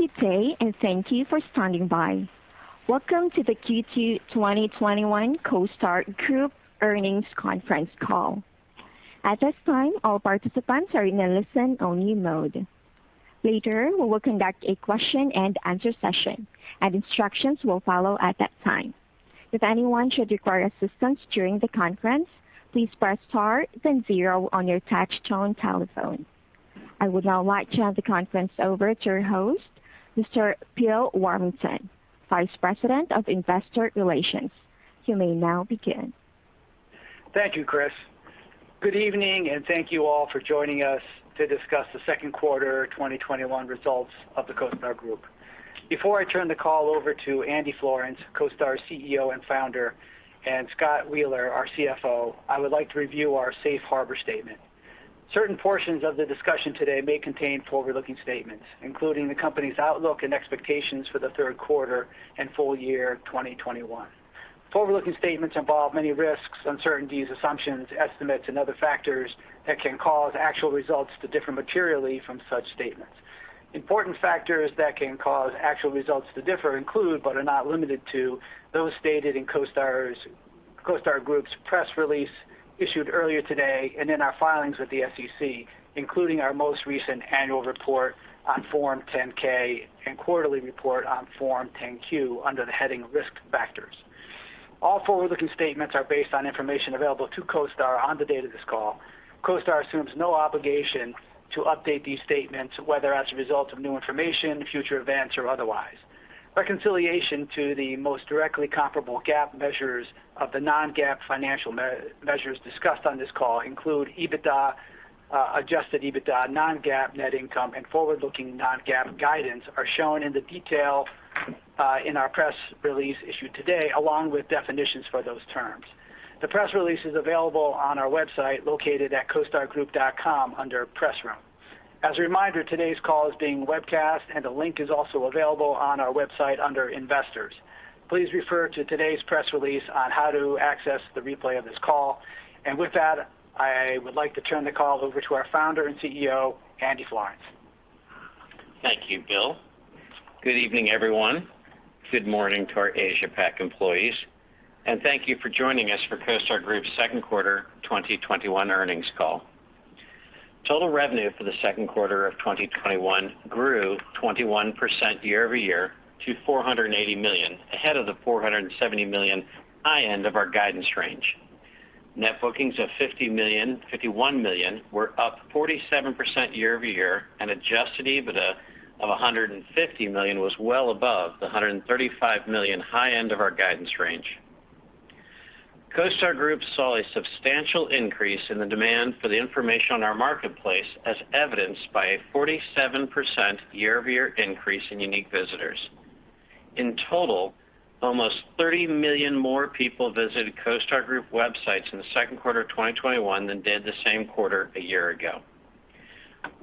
Good day, and thank you for standing by. Welcome to the Q2 2021 CoStar Group Earnings Conference Call. At this time, all participants are in a listen-only mode. Later, we will conduct a question and answer session, and instructions will follow at that time. If anyone should require assistance during the conference, please press star then zero on your touch-tone telephone. I would now like to hand the conference over to your host, Mr. Bill Warmington, Vice President of Investor Relations. You may now begin. Thank you, Chris. Good evening, and thank you all for joining us to discuss the second quarter 2021 results of the CoStar Group. Before I turn the call over to Andy Florance, CoStar's CEO and Founder, and Scott Wheeler, our CFO, I would like to review our safe harbor statement. Certain portions of the discussion today may contain forward-looking statements, including the company's outlook and expectations for the third quarter and full year 2021. Forward-looking statements involve many risks, uncertainties, assumptions, estimates, and other factors that can cause actual results to differ materially from such statements. Important factors that can cause actual results to differ include, but are not limited to, those stated in CoStar Group's press release issued earlier today and in our filings with the SEC, including our most recent annual report on Form 10-K and quarterly report on Form 10-Q under the heading Risk Factors. All forward-looking statements are based on information available to CoStar on the date of this call. CoStar assumes no obligation to update these statements, whether as a result of new information, future events, or otherwise. Reconciliation to the most directly comparable GAAP measures of the non-GAAP financial measures discussed on this call include EBITDA, adjusted EBITDA, non-GAAP net income, and forward-looking non-GAAP guidance are shown in the detail in our press release issued today, along with definitions for those terms. The press release is available on our website located at costargroup.com under Press Room. As a reminder, today's call is being webcast, and a link is also available on our website under Investors. Please refer to today's press release on how to access the replay of this call. With that, I would like to turn the call over to our Founder and CEO, Andy Florance. Thank you, Bill. Good evening, everyone. Good morning to our Asia-Pac employees, and thank you for joining us for CoStar Group's second quarter 2021 earnings call. Total revenue for the second quarter of 2021 grew 21% year-over-year to $480 million, ahead of the $470 million high end of our guidance range. Net bookings of $51 million were up 47% year-over-year, and adjusted EBITDA of $150 million was well above the $135 million high end of our guidance range. CoStar Group saw a substantial increase in the demand for the information on our marketplace as evidenced by a 47% year-over-year increase in unique visitors. In total, almost 30 million more people visited CoStar Group websites in the second quarter of 2021 than did the same quarter a year ago.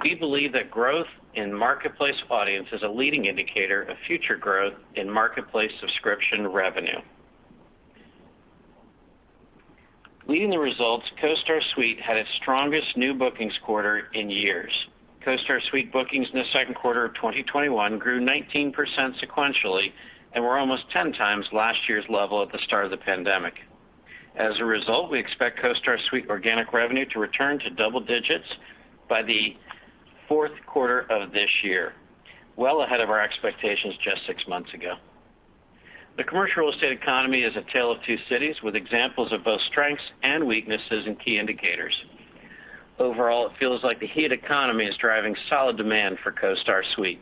We believe that growth in marketplace audience is a leading indicator of future growth in marketplace subscription revenue. Leading the results, CoStar Suite had its strongest new bookings quarter in years. CoStar Suite bookings in the second quarter of 2021 grew 19% sequentially and were almost 10 times last year's level at the start of the pandemic. As a result, we expect CoStar Suite organic revenue to return to double digits by the fourth quarter of this year, well ahead of our expectations just six months ago. The commercial real estate economy is a tale of two cities with examples of both strengths and weaknesses in key indicators. Overall, it feels like the heated economy is driving solid demand for CoStar Suite.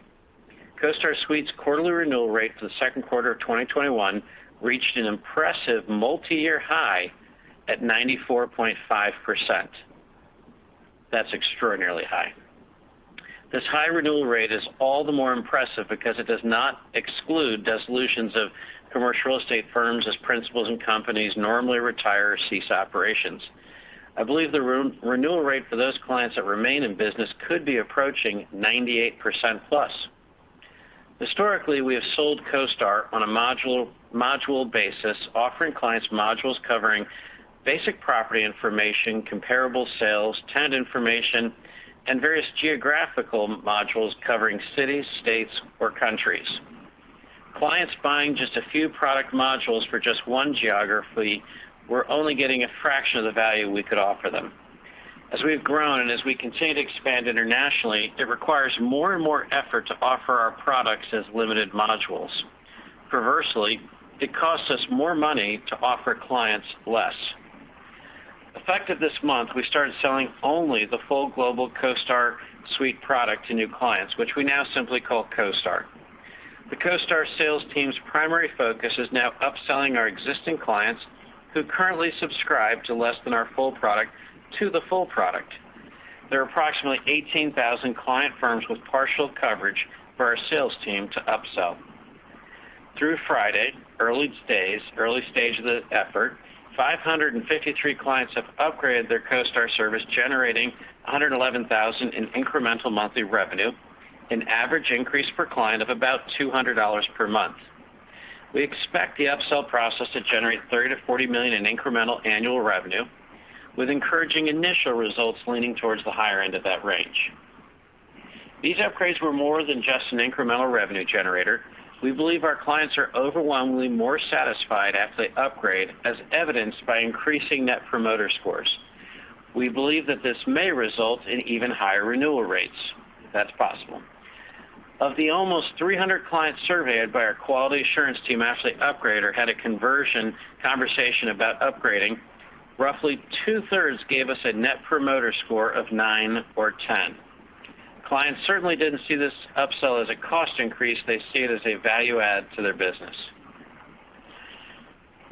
CoStar Suite's quarterly renewal rate for the second quarter of 2021 reached an impressive multiyear high at 94.5%. That's extraordinarily high. This high renewal rate is all the more impressive because it does not exclude dissolutions of commercial real estate firms as principals and companies normally retire or cease operations. I believe the renewal rate for those clients that remain in business could be approaching 98%+. Historically, we have sold CoStar on a module basis, offering clients modules covering basic property information, comparable sales, tenant information, and various geographical modules covering cities, states, or countries. Clients buying just a few product modules for just one geography were only getting a fraction of the value we could offer them. As we've grown and as we continue to expand internationally, it requires more and more effort to offer our products as limited modules. Perversely, it costs us more money to offer clients less. Effective this month, we started selling only the full global CoStar Suite product to new clients, which we now simply call CoStar. The CoStar sales team's primary focus is now upselling our existing clients who currently subscribe to less than our full product to the full product. There are approximately 18,000 client firms with partial coverage for our sales team to upsell. Through Friday, early stage of the effort, 553 clients have upgraded their CoStar service, generating $111,000 in incremental monthly revenue, an average increase per client of about $200 per month. We expect the upsell process to generate $30 million-$40 million in incremental annual revenue, with encouraging initial results leaning towards the higher end of that range. These upgrades were more than just an incremental revenue generator. We believe our clients are overwhelmingly more satisfied after they upgrade, as evidenced by increasing Net Promoter Scores. We believe that this may result in even higher renewal rates. That's possible. Of the almost 300 clients surveyed by our quality assurance team after they upgrade or had a conversion conversation about upgrading, roughly two-thirds gave us a Net Promoter Score of 9 or 10. Clients certainly didn't see this upsell as a cost increase. They see it as a value add to their business.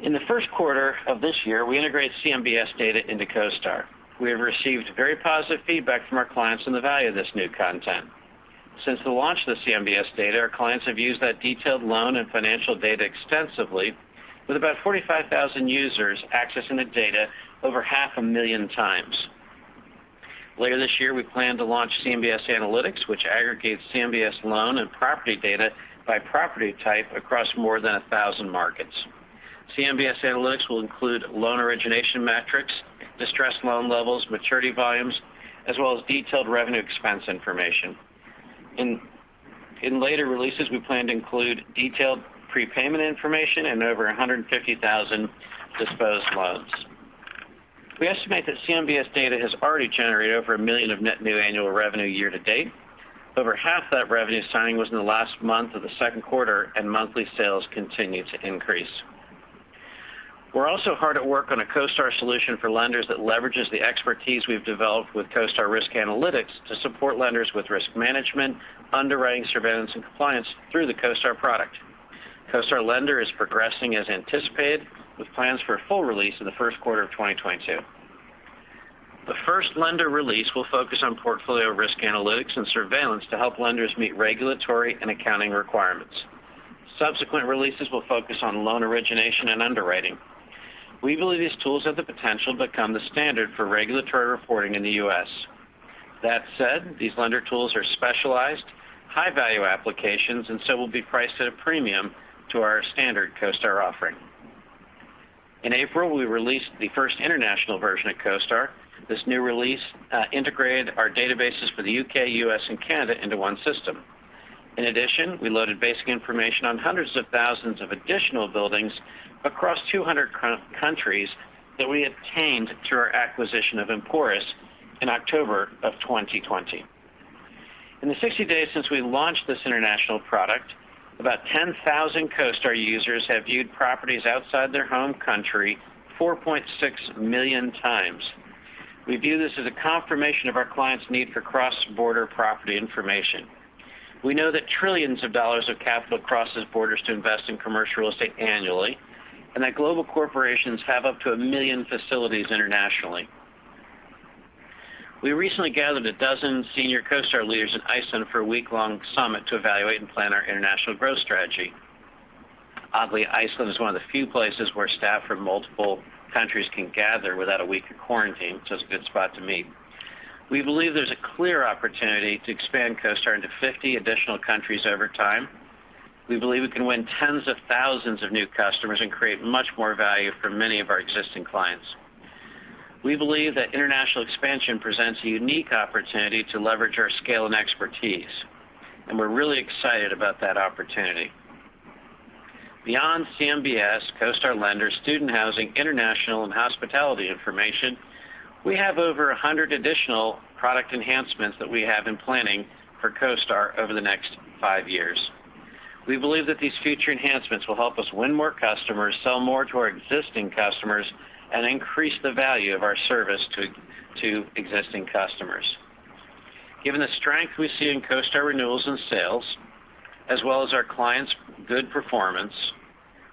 In the first quarter of this year, we integrated CMBS data into CoStar. We have received very positive feedback from our clients on the value of this new content. Since the launch of the CMBS data, our clients have used that detailed loan and financial data extensively, with about 45,000 users accessing the data over half a million times. Later this year, we plan to launch CMBS Analytics, which aggregates CMBS loan and property data by property type across more than 1,000 markets. CMBS Analytics will include loan origination metrics, distressed loan levels, maturity volumes, as well as detailed revenue expense information. In later releases, we plan to include detailed prepayment information and over 150,000 disposed loans. We estimate that CMBS data has already generated over $1 million of net new annual revenue year to date. Over half that revenue signing was in the last month of the second quarter. Monthly sales continue to increase. We're also hard at work on a CoStar for Lenders that leverages the expertise we've developed with CoStar Risk Analytics to support lenders with risk management, underwriting, surveillance, and compliance through the CoStar product. CoStar Lender is progressing as anticipated, with plans for a full release in the first quarter of 2022. The first lender release will focus on portfolio risk analytics and surveillance to help lenders meet regulatory and accounting requirements. Subsequent releases will focus on loan origination and underwriting. We believe these tools have the potential to become the standard for regulatory reporting in the U.S. That said, these lender tools are specialized, high-value applications, and so will be priced at a premium to our standard CoStar offering. In April, we released the first international version of CoStar. This new release integrated our databases for the U.K., U.S., and Canada into one system. In addition, we loaded basic information on hundreds of thousands of additional buildings across 200 countries that we obtained through our acquisition of Emporis in October of 2020. In the 60 days since we launched this international product, about 10,000 CoStar users have viewed properties outside their home country 4.6 million times. We view this as a confirmation of our clients' need for cross-border property information. We know that trillions of dollars of capital crosses borders to invest in commercial real estate annually, and that global corporations have up to 1 million facilities internationally. We recently gathered 12 senior CoStar leaders in Iceland for a week-long summit to evaluate and plan our international growth strategy. Oddly, Iceland is one of the few places where staff from multiple countries can gather without a week of quarantine. It's a good spot to meet. We believe there's a clear opportunity to expand CoStar into 50 additional countries over time. We believe we can win tens of thousands of new customers and create much more value for many of our existing clients. We believe that international expansion presents a unique opportunity to leverage our scale and expertise, and we're really excited about that opportunity. Beyond CMBS, CoStar Lender, student housing, international, and hospitality information, we have over 100 additional product enhancements that we have in planning for CoStar over the next 5 years. We believe that these future enhancements will help us win more customers, sell more to our existing customers, and increase the value of our service to existing customers. Given the strength we see in CoStar renewals and sales, as well as our clients' good performance,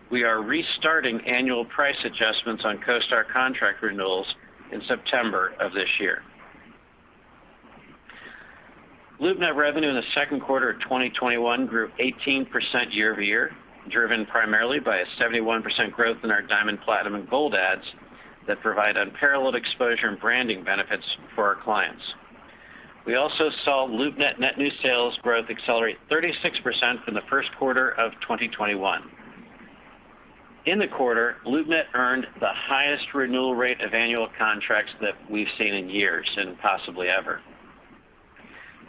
we are restarting annual price adjustments on CoStar contract renewals in September of this year. LoopNet revenue in the second quarter of 2021 grew 18% year-over-year, driven primarily by a 71% growth in our Diamond, Platinum, and Gold ads that provide unparalleled exposure and branding benefits for our clients. We also saw LoopNet net new sales growth accelerate 36% from the first quarter of 2021. In the quarter, LoopNet earned the highest renewal rate of annual contracts that we've seen in years, and possibly ever.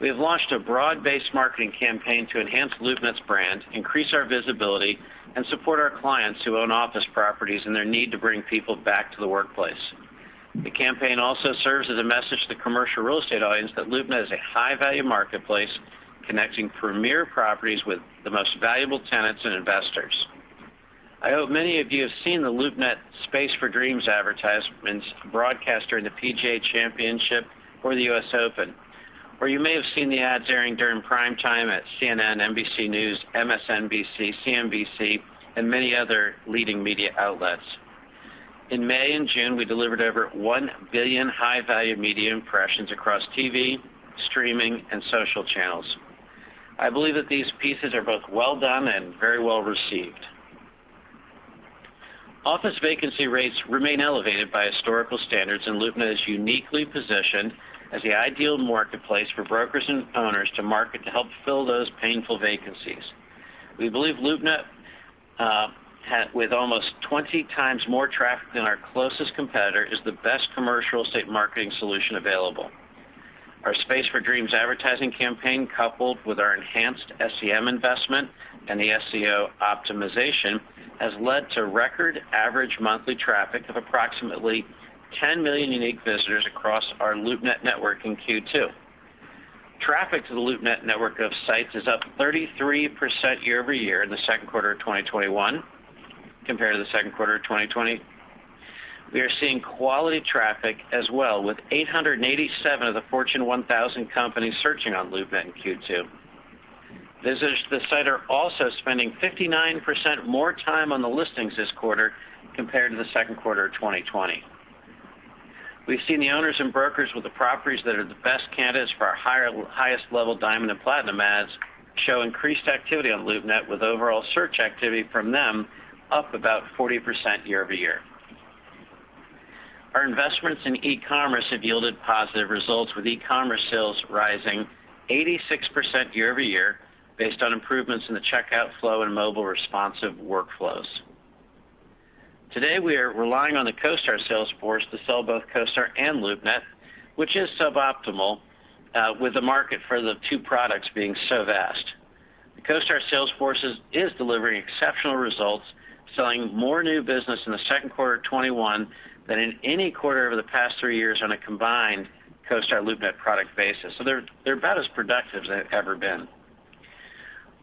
We have launched a broad-based marketing campaign to enhance LoopNet's brand, increase our visibility, and support our clients who own office properties and their need to bring people back to the workplace. The campaign also serves as a message to commercial real estate audience that LoopNet is a high-value marketplace, connecting premier properties with the most valuable tenants and investors. I hope many of you have seen the LoopNet Space for Dreams advertisements broadcast during the PGA Championship or the U.S. Open. You may have seen the ads airing during prime time at CNN, NBC News, MSNBC, CNBC, and many other leading media outlets. In May and June, we delivered over 1 billion high-value media impressions across TV, streaming, and social channels. I believe that these pieces are both well done and very well received. Office vacancy rates remain elevated by historical standards. LoopNet is uniquely positioned as the ideal marketplace for brokers and owners to market to help fill those painful vacancies. We believe LoopNet, with almost 20 times more traffic than our closest competitor, is the best commercial real estate marketing solution available. Our Space for Dreams advertising campaign, coupled with our enhanced SEM investment and the SEO optimization, has led to record average monthly traffic of approximately 10 million unique visitors across our LoopNet network in Q2. Traffic to the LoopNet network of sites is up 33% year-over-year in the second quarter of 2021 compared to the second quarter of 2020. We are seeing quality traffic as well, with 887 of the Fortune 1000 companies searching on LoopNet in Q2. Visitors to the site are also spending 59% more time on the listings this quarter compared to the second quarter of 2020. We've seen the owners and brokers with the properties that are the best candidates for our highest level Diamond and Platinum ads show increased activity on LoopNet, with overall search activity from them up about 40% year-over-year. Our investments in e-commerce have yielded positive results, with e-commerce sales rising 86% year-over-year based on improvements in the checkout flow and mobile responsive workflows. Today, we are relying on the CoStar sales force to sell both CoStar and LoopNet, which is suboptimal with the market for the two products being so vast. The CoStar sales force is delivering exceptional results, selling more new business in the second quarter of 2021 than in any quarter over the past three years on a combined CoStar LoopNet product basis. They're about as productive as they've ever been.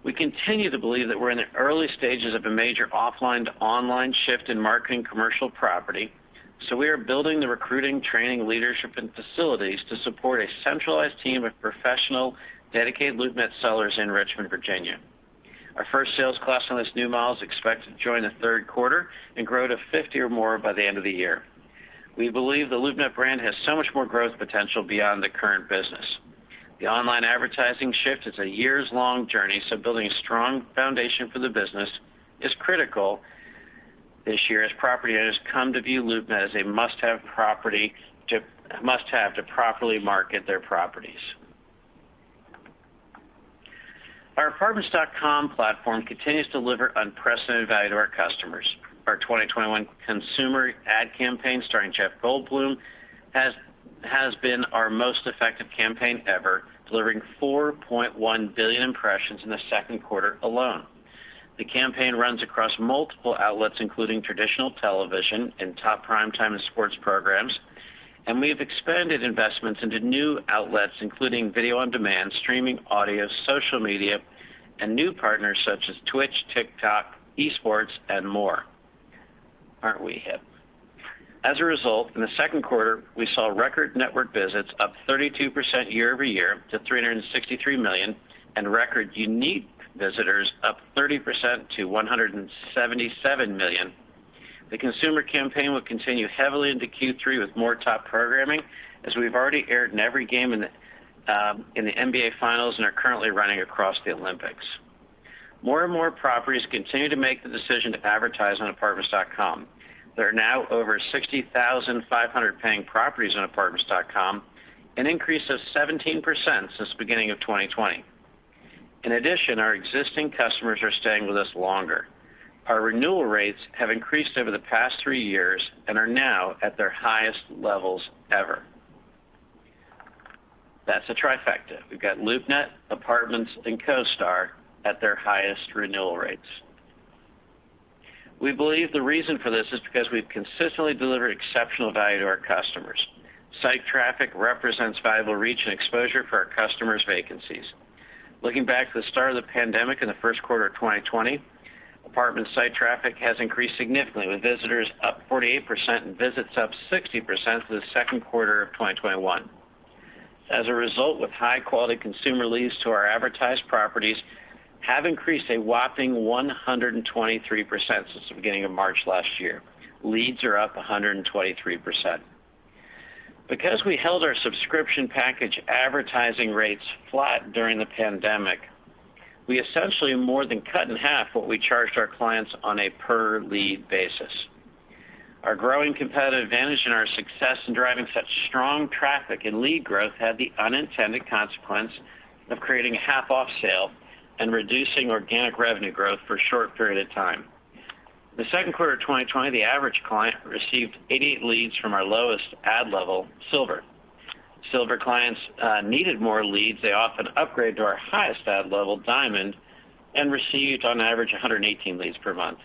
We continue to believe that we're in the early stages of a major offline to online shift in marketing commercial property, so we are building the recruiting, training, leadership, and facilities to support a centralized team of professional dedicated LoopNet sellers in Richmond, Virginia. Our first sales class on this new model is expected to join the third quarter and grow to 50 or more by the end of the year. We believe the LoopNet brand has so much more growth potential beyond the current business. The online advertising shift is a years-long journey, so building a strong foundation for the business is critical this year as property owners come to view LoopNet as a must-have to properly market their properties. Our Apartments.com platform continues to deliver unprecedented value to our customers. Our 2021 consumer ad campaign starring Jeff Goldblum has been our most effective campaign ever, delivering 4.1 billion impressions in the second quarter alone. The campaign runs across multiple outlets, including traditional television and top primetime and sports programs, and we have expanded investments into new outlets, including video on demand, streaming audio, social media, and new partners such as Twitch, TikTok, esports, and more. Aren't we hip? As a result, in the second quarter, we saw record network visits up 32% year-over-year to 363 million and record unique visitors up 30% to 177 million. The consumer campaign will continue heavily into Q3 with more top programming, as we've already aired in every game in the NBA Finals and are currently running across the Olympics. More and more properties continue to make the decision to advertise on Apartments.com. There are now over 60,500 paying properties on Apartments.com, an increase of 17% since the beginning of 2020. In addition, our existing customers are staying with us longer. Our renewal rates have increased over the past three years and are now at their highest levels ever. That's a trifecta. We've got LoopNet, Apartments.com, and CoStar at their highest renewal rates. We believe the reason for this is because we've consistently delivered exceptional value to our customers. Site traffic represents valuable reach and exposure for our customers' vacancies. Looking back to the start of the pandemic in the first quarter of 2020, apartment site traffic has increased significantly, with visitors up 48% and visits up 60% for the second quarter of 2021. As a result, with high-quality consumer leads to our advertised properties have increased a whopping 123% since the beginning of March last year. Leads are up 123%. Because we held our subscription package advertising rates flat during the pandemic, we essentially more than cut in half what we charged our clients on a per-lead basis. Our growing competitive advantage and our success in driving such strong traffic and lead growth had the unintended consequence of creating a half-off sale and reducing organic revenue growth for a short period of time. In the second quarter of 2020, the average client received 88 leads from our lowest ad level, Silver. Silver clients needed more leads. They often upgrade to our highest ad level, Diamond, and received on average 118 leads per month.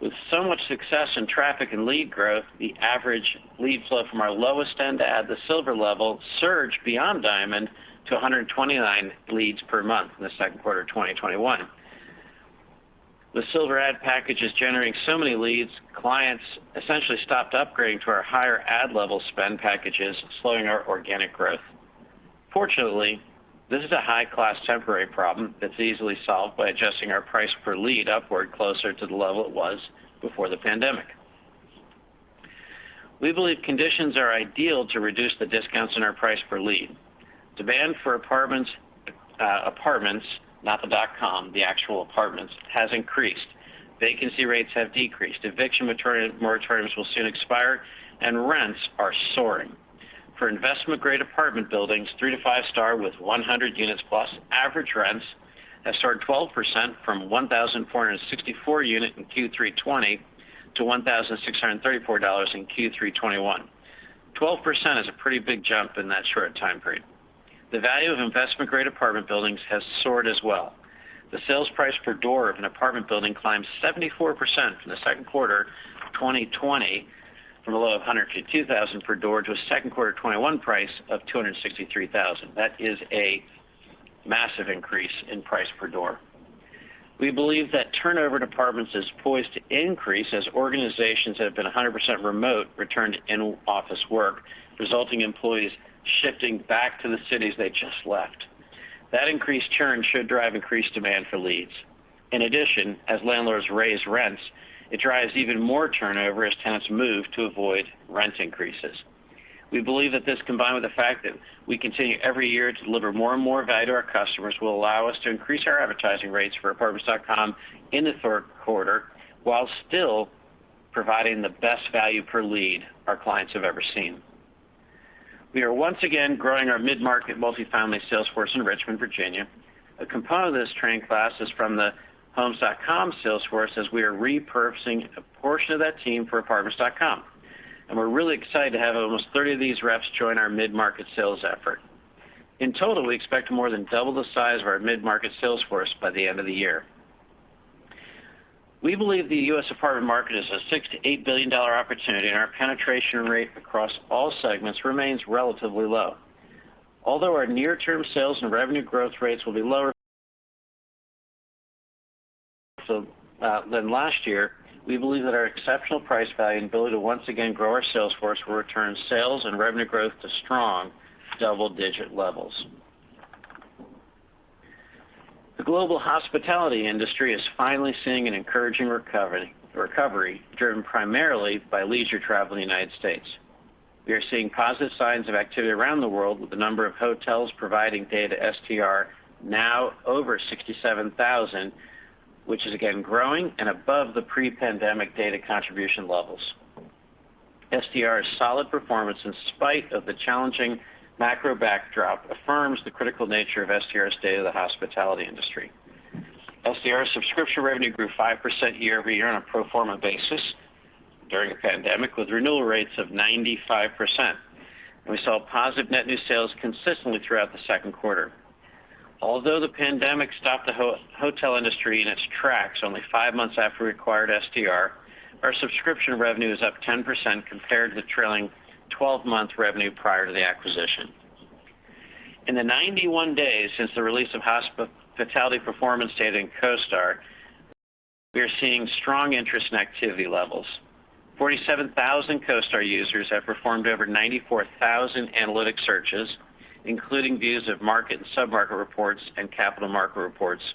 With so much success in traffic and lead growth, the average lead flow from our lowest end ad, the Silver level, surged beyond Diamond to 129 leads per month in the second quarter of 2021. The Silver ad package is generating so many leads, clients essentially stopped upgrading to our higher ad level spend packages, slowing our organic growth. Fortunately, this is a high-class temporary problem that's easily solved by adjusting our price per lead upward closer to the level it was before the pandemic. We believe conditions are ideal to reduce the discounts in our price per lead. Demand for apartments, not the Apartments.com, the actual apartments, has increased. Vacancy rates have decreased. Eviction moratoriums will soon expire, and rents are soaring. For investment-grade apartment buildings, three to five star with 100 units plus, average rents have soared 12% from $1,464 unit in Q3 2020 to $1,634 in Q3 2021. 12% is a pretty big jump in that short time period. The value of investment-grade apartment buildings has soared as well. The sales price per door of an apartment building climbed 74% from the second quarter 2020, from a low of $102,000 per door to a second quarter 2021 price of $263,000. That is a massive increase in price per door. We believe that turnover in apartments is poised to increase as organizations that have been 100% remote return to in-office work, resulting employees shifting back to the cities they just left. That increased churn should drive increased demand for leads. As landlords raise rents, it drives even more turnover as tenants move to avoid rent increases. We believe that this, combined with the fact that we continue every year to deliver more and more value to our customers, will allow us to increase our advertising rates for Apartments.com in the third quarter, while still providing the best value per lead our clients have ever seen. We are once again growing our mid-market multifamily sales force in Richmond, Virginia. A component of this training class is from the Homes.com sales force, as we are repurposing a portion of that team for Apartments.com. We're really excited to have almost 30 of these reps join our mid-market sales effort. In total, we expect to more than double the size of our mid-market sales force by the end of the year. We believe the U.S. apartment market is a $6 billion-$8 billion opportunity, and our penetration rate across all segments remains relatively low. Although our near-term sales and revenue growth rates will be lower than last year, we believe that our exceptional price value and ability to once again grow our sales force will return sales and revenue growth to strong double-digit levels. The global hospitality industry is finally seeing an encouraging recovery driven primarily by leisure travel in the U.S. We are seeing positive signs of activity around the world with the number of hotels providing data STR now over 67,000, which is again growing and above the pre-pandemic data contribution levels. STR's solid performance in spite of the challenging macro backdrop affirms the critical nature of STR's data to the hospitality industry. STR subscription revenue grew 5% year-over-year on a pro forma basis during the pandemic, with renewal rates of 95%. We saw positive net new sales consistently throughout the second quarter. Although the pandemic stopped the hotel industry in its tracks only five months after we acquired STR, our subscription revenue is up 10% compared to the trailing 12-month revenue prior to the acquisition. In the 91 days since the release of hospitality performance data in CoStar, we are seeing strong interest and activity levels. 47,000 CoStar users have performed over 94,000 analytic searches, including views of market and sub-market reports and capital market reports.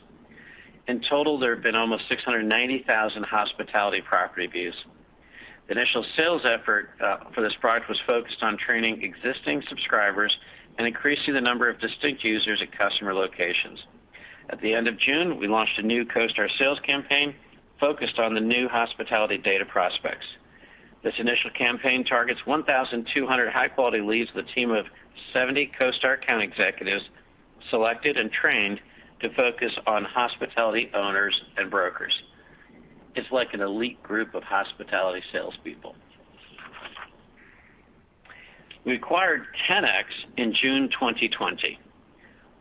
In total, there have been almost 690,000 hospitality property views. The initial sales effort for this product was focused on training existing subscribers and increasing the number of distinct users at customer locations. At the end of June, we launched a new CoStar sales campaign focused on the new hospitality data prospects. This initial campaign targets 1,200 high-quality leads with a team of 70 CoStar account executives selected and trained to focus on hospitality owners and brokers. It's like an elite group of hospitality salespeople. We acquired Ten-X in June 2020.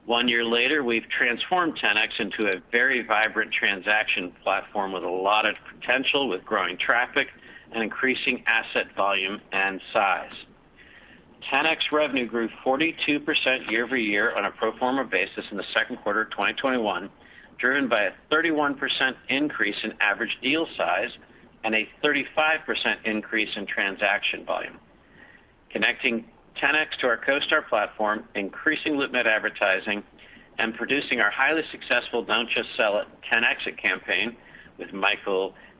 One year later, we've transformed Ten-X into a very vibrant transaction platform with a lot of potential with growing traffic and increasing asset volume and size. Ten-X revenue grew 42% year-over-year on a pro forma basis in the second quarter of 2021, driven by a 31% increase in average deal size and a 35% increase in transaction volume. Connecting Ten-X to our CoStar platform, increasing LoopNet advertising, and producing our highly successful Don't Just Sell It, Ten-X It campaign with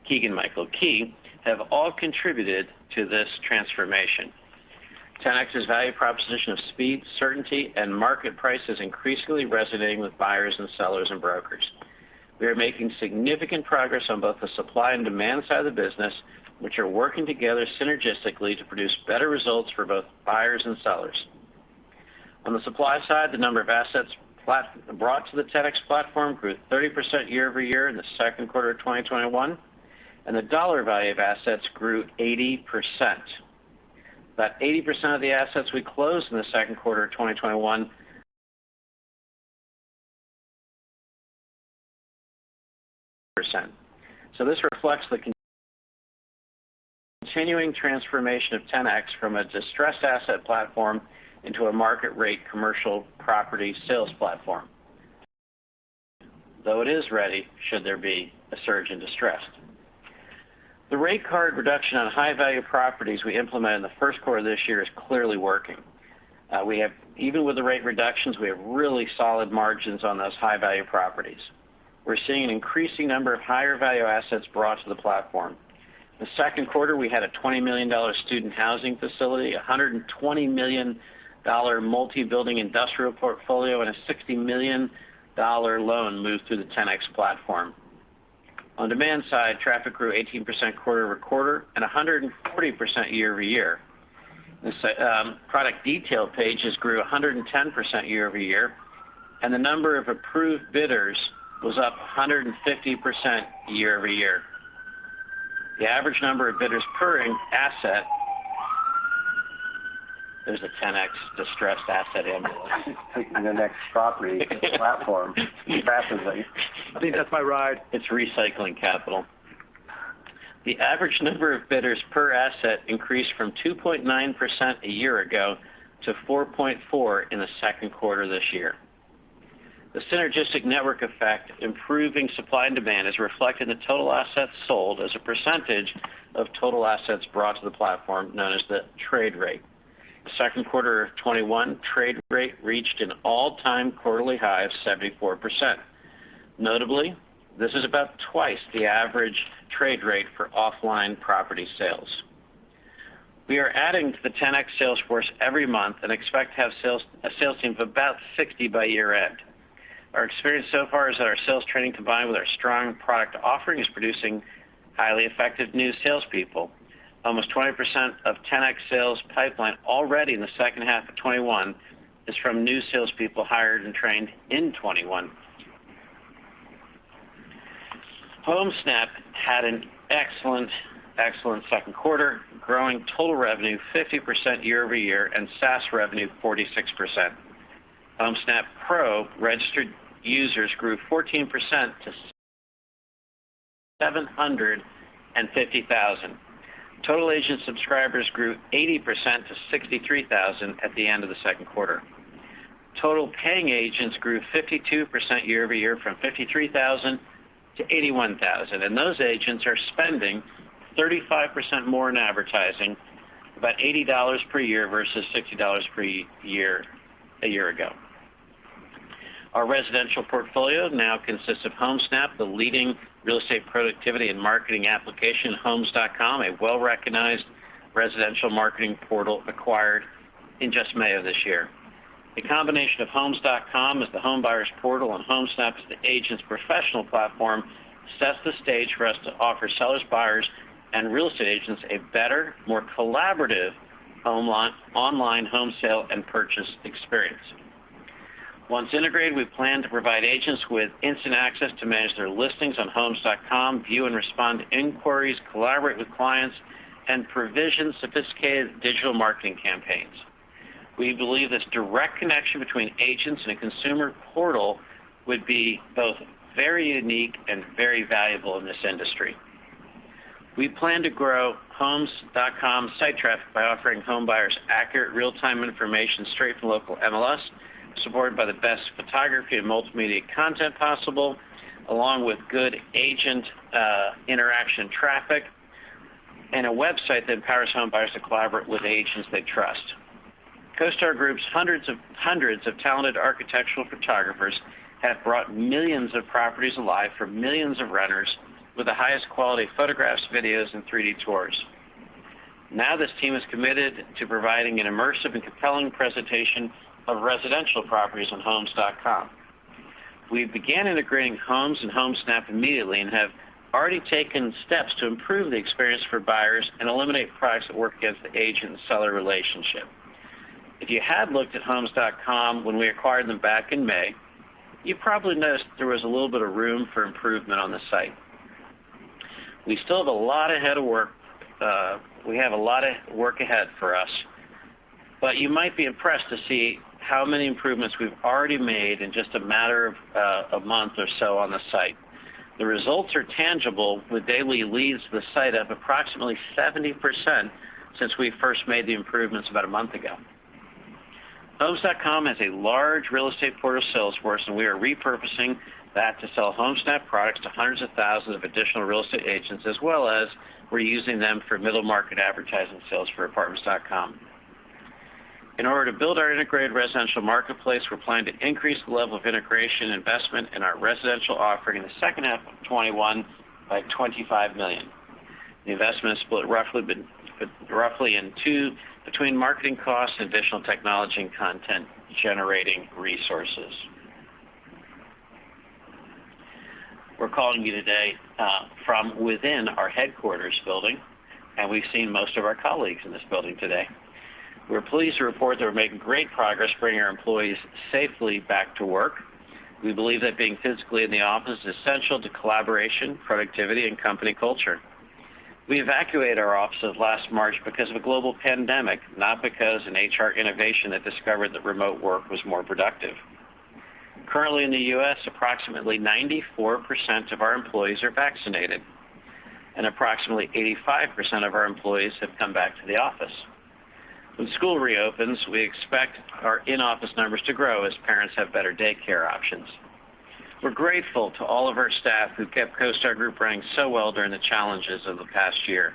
Keegan-Michael Key, have all contributed to this transformation. Ten-X's value proposition of speed, certainty, and market price is increasingly resonating with buyers and sellers and brokers. We are making significant progress on both the supply and demand side of the business, which are working together synergistically to produce better results for both buyers and sellers. On the supply side, the number of assets brought to the Ten-X platform grew 30% year-over-year in the second quarter of 2021, and the dollar value of assets grew 80%. About 80% of the assets we closed in the second quarter of 2021. This reflects the continuing transformation of Ten-X from a distressed asset platform into a market rate commercial property sales platform, though it is ready should there be a surge in distressed. The rate card reduction on high-value properties we implemented in the first quarter of this year is clearly working. Even with the rate reductions, we have really solid margins on those high-value properties. We're seeing an increasing number of higher value assets brought to the platform. The second quarter, we had a $20 million student housing facility, a $120 million multi-building industrial portfolio, and a $60 million loan moved through the Ten-X platform. On demand side, traffic grew 18% quarter-over-quarter and 140% year-over-year. The product detail pages grew 110% year-over-year. The number of approved bidders was up 150% year-over-year. There's a Ten-X distressed asset ambulance. Taking the next property platform rapidly. I think that's my ride. It's recycling capital. The average number of bidders per asset increased from 2.9% a year ago to 4.4% in the second quarter this year. The synergistic network effect improving supply and demand is reflected in the total assets sold as a percentage of total assets brought to the platform, known as the trade rate. The second quarter of 2021 trade rate reached an all-time quarterly high of 74%. Notably, this is about two times the average trade rate for offline property sales. We are adding to the Ten-X sales force every month and expect to have a sales team of about 60 by year-end. Our experience so far is that our sales training, combined with our strong product offering, is producing highly effective new salespeople. Almost 20% of Ten-X sales pipeline already in the second half of 2021 is from new salespeople hired and trained in 2021. Homesnap had an excellent second quarter, growing total revenue 50% year-over-year, and SaaS revenue 46%. Homesnap Pro registered users grew 14% to 750,000. Total agent subscribers grew 80% to 63,000 at the end of the second quarter. Total paying agents grew 52% year-over-year from 53,000 to 81,000, and those agents are spending 35% more in advertising, about $80 per year versus $60 a year ago. Our residential portfolio now consists of Homesnap, the leading real estate productivity and marketing application, Homes.com, a well-recognized residential marketing portal acquired in just May of this year. The combination of Homes.com as the home buyer's portal and Homesnap as the agent's professional platform sets the stage for us to offer sellers, buyers, and real estate agents a better, more collaborative online home sale and purchase experience. Once integrated, we plan to provide agents with instant access to manage their listings on Homes.com, view and respond to inquiries, collaborate with clients, and provision sophisticated digital marketing campaigns. We believe this direct connection between agents and a consumer portal would be both very unique and very valuable in this industry. We plan to grow Homes.com site traffic by offering home buyers accurate real-time information straight from local MLS, supported by the best photography and multimedia content possible, along with good agent interaction traffic, and a website that empowers home buyers to collaborate with agents they trust. CoStar Group's hundreds of talented architectural photographers have brought millions of properties alive for millions of renters with the highest quality photographs, videos, and 3D tours. This team is committed to providing an immersive and compelling presentation of residential properties on Homes.com. We began integrating Homes.com and Homesnap immediately and have already taken steps to improve the experience for buyers and eliminate products that work against the agent and seller relationship. If you had looked at Homes.com when we acquired them back in May, you probably noticed there was a little bit of room for improvement on the site. We still have a lot of work ahead for us, but you might be impressed to see how many improvements we've already made in just a matter of a month or so on the site. The results are tangible, with daily leads to the site up approximately 70% since we first made the improvements about a month ago. Homes.com has a large real estate portal sales force, and we are repurposing that to sell Homesnap products to hundreds of thousands of additional real estate agents, as well as reusing them for middle market advertising sales for Apartments.com. In order to build our integrated residential marketplace, we're planning to increase the level of integration investment in our residential offering in the second half of 2021 by $25 million. The investment is split roughly in two between marketing costs and additional technology and content-generating resources. We're calling you today from within our headquarters building, and we've seen most of our colleagues in this building today. We're pleased to report that we're making great progress bringing our employees safely back to work. We believe that being physically in the office is essential to collaboration, productivity, and company culture. We evacuated our offices last March because of a global pandemic, not because an HR innovation had discovered that remote work was more productive. Currently in the U.S., approximately 94% of our employees are vaccinated, and approximately 85% of our employees have come back to the office. When school reopens, we expect our in-office numbers to grow as parents have better daycare options. We're grateful to all of our staff who kept CoStar Group running so well during the challenges of the past year.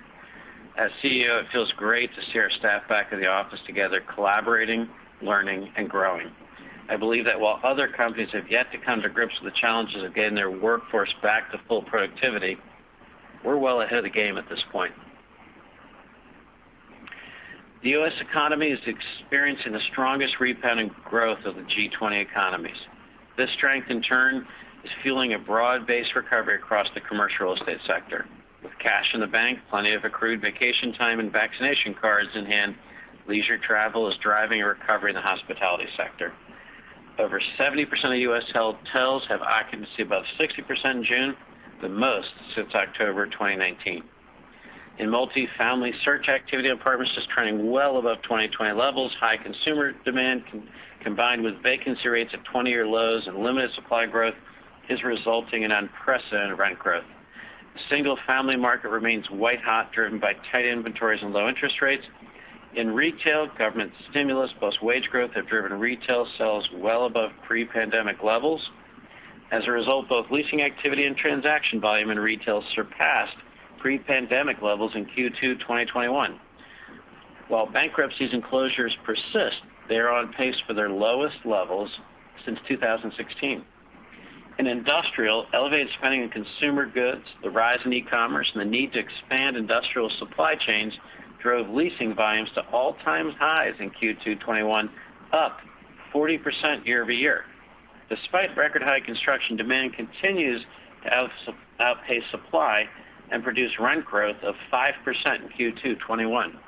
As CEO, it feels great to see our staff back in the office together, collaborating, learning, and growing. I believe that while other companies have yet to come to grips with the challenges of getting their workforce back to full productivity, we're well ahead of the game at this point. The U.S. economy is experiencing the strongest rebounding growth of the G20 economies. This strength in turn is fueling a broad-based recovery across the commercial real estate sector. With cash in the bank, plenty of accrued vacation time, and vaccination cards in hand, leisure travel is driving a recovery in the hospitality sector. Over 70% of U.S. hotels have occupancy above 60% in June, the most since October 2019. In multifamily, search activity on Apartments.com is trending well above 2020 levels. High consumer demand combined with vacancy rates at 20-year lows and limited supply growth is resulting in unprecedented rent growth. The single-family market remains white hot, driven by tight inventories and low interest rates. In retail, government stimulus plus wage growth have driven retail sales well above pre-pandemic levels. As a result, both leasing activity and transaction volume in retail surpassed pre-pandemic levels in Q2 2021. While bankruptcies and closures persist, they are on pace for their lowest levels since 2016. In industrial, elevated spending in consumer goods, the rise in e-commerce, and the need to expand industrial supply chains drove leasing volumes to all-time highs in Q2 2021, up 40% year-over-year. Despite record high construction, demand continues to outpace supply and produce rent growth of 5% in Q2 2021.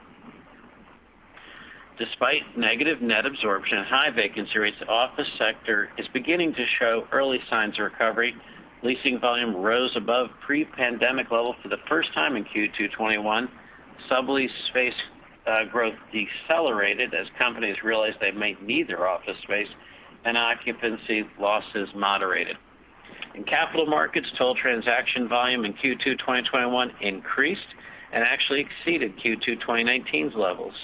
Despite negative net absorption and high vacancy rates, the office sector is beginning to show early signs of recovery. Leasing volume rose above pre-pandemic levels for the first time in Q2 2021. Sublease space growth decelerated as companies realized they might need their office space, and occupancy losses moderated. In capital markets, total transaction volume in Q2 2021 increased and actually exceeded Q2 2019's levels.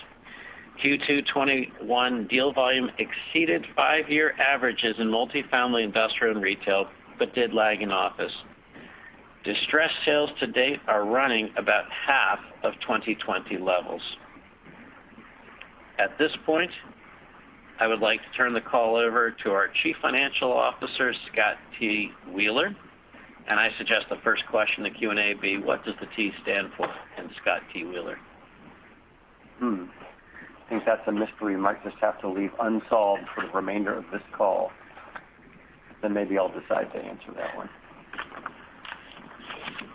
Q2 2021 deal volume exceeded five-year averages in multifamily investor and retail, but did lag in office. Distressed sales to date are running about half of 2020 levels. At this point, I would like to turn the call over to our Chief Financial Officer, Scott T. Wheeler, and I suggest the first question in the Q&A be what does the T stand for in Scott T. Wheeler? Hmm. I think that's a mystery we might just have to leave unsolved for the remainder of this call. Maybe I'll decide to answer that one.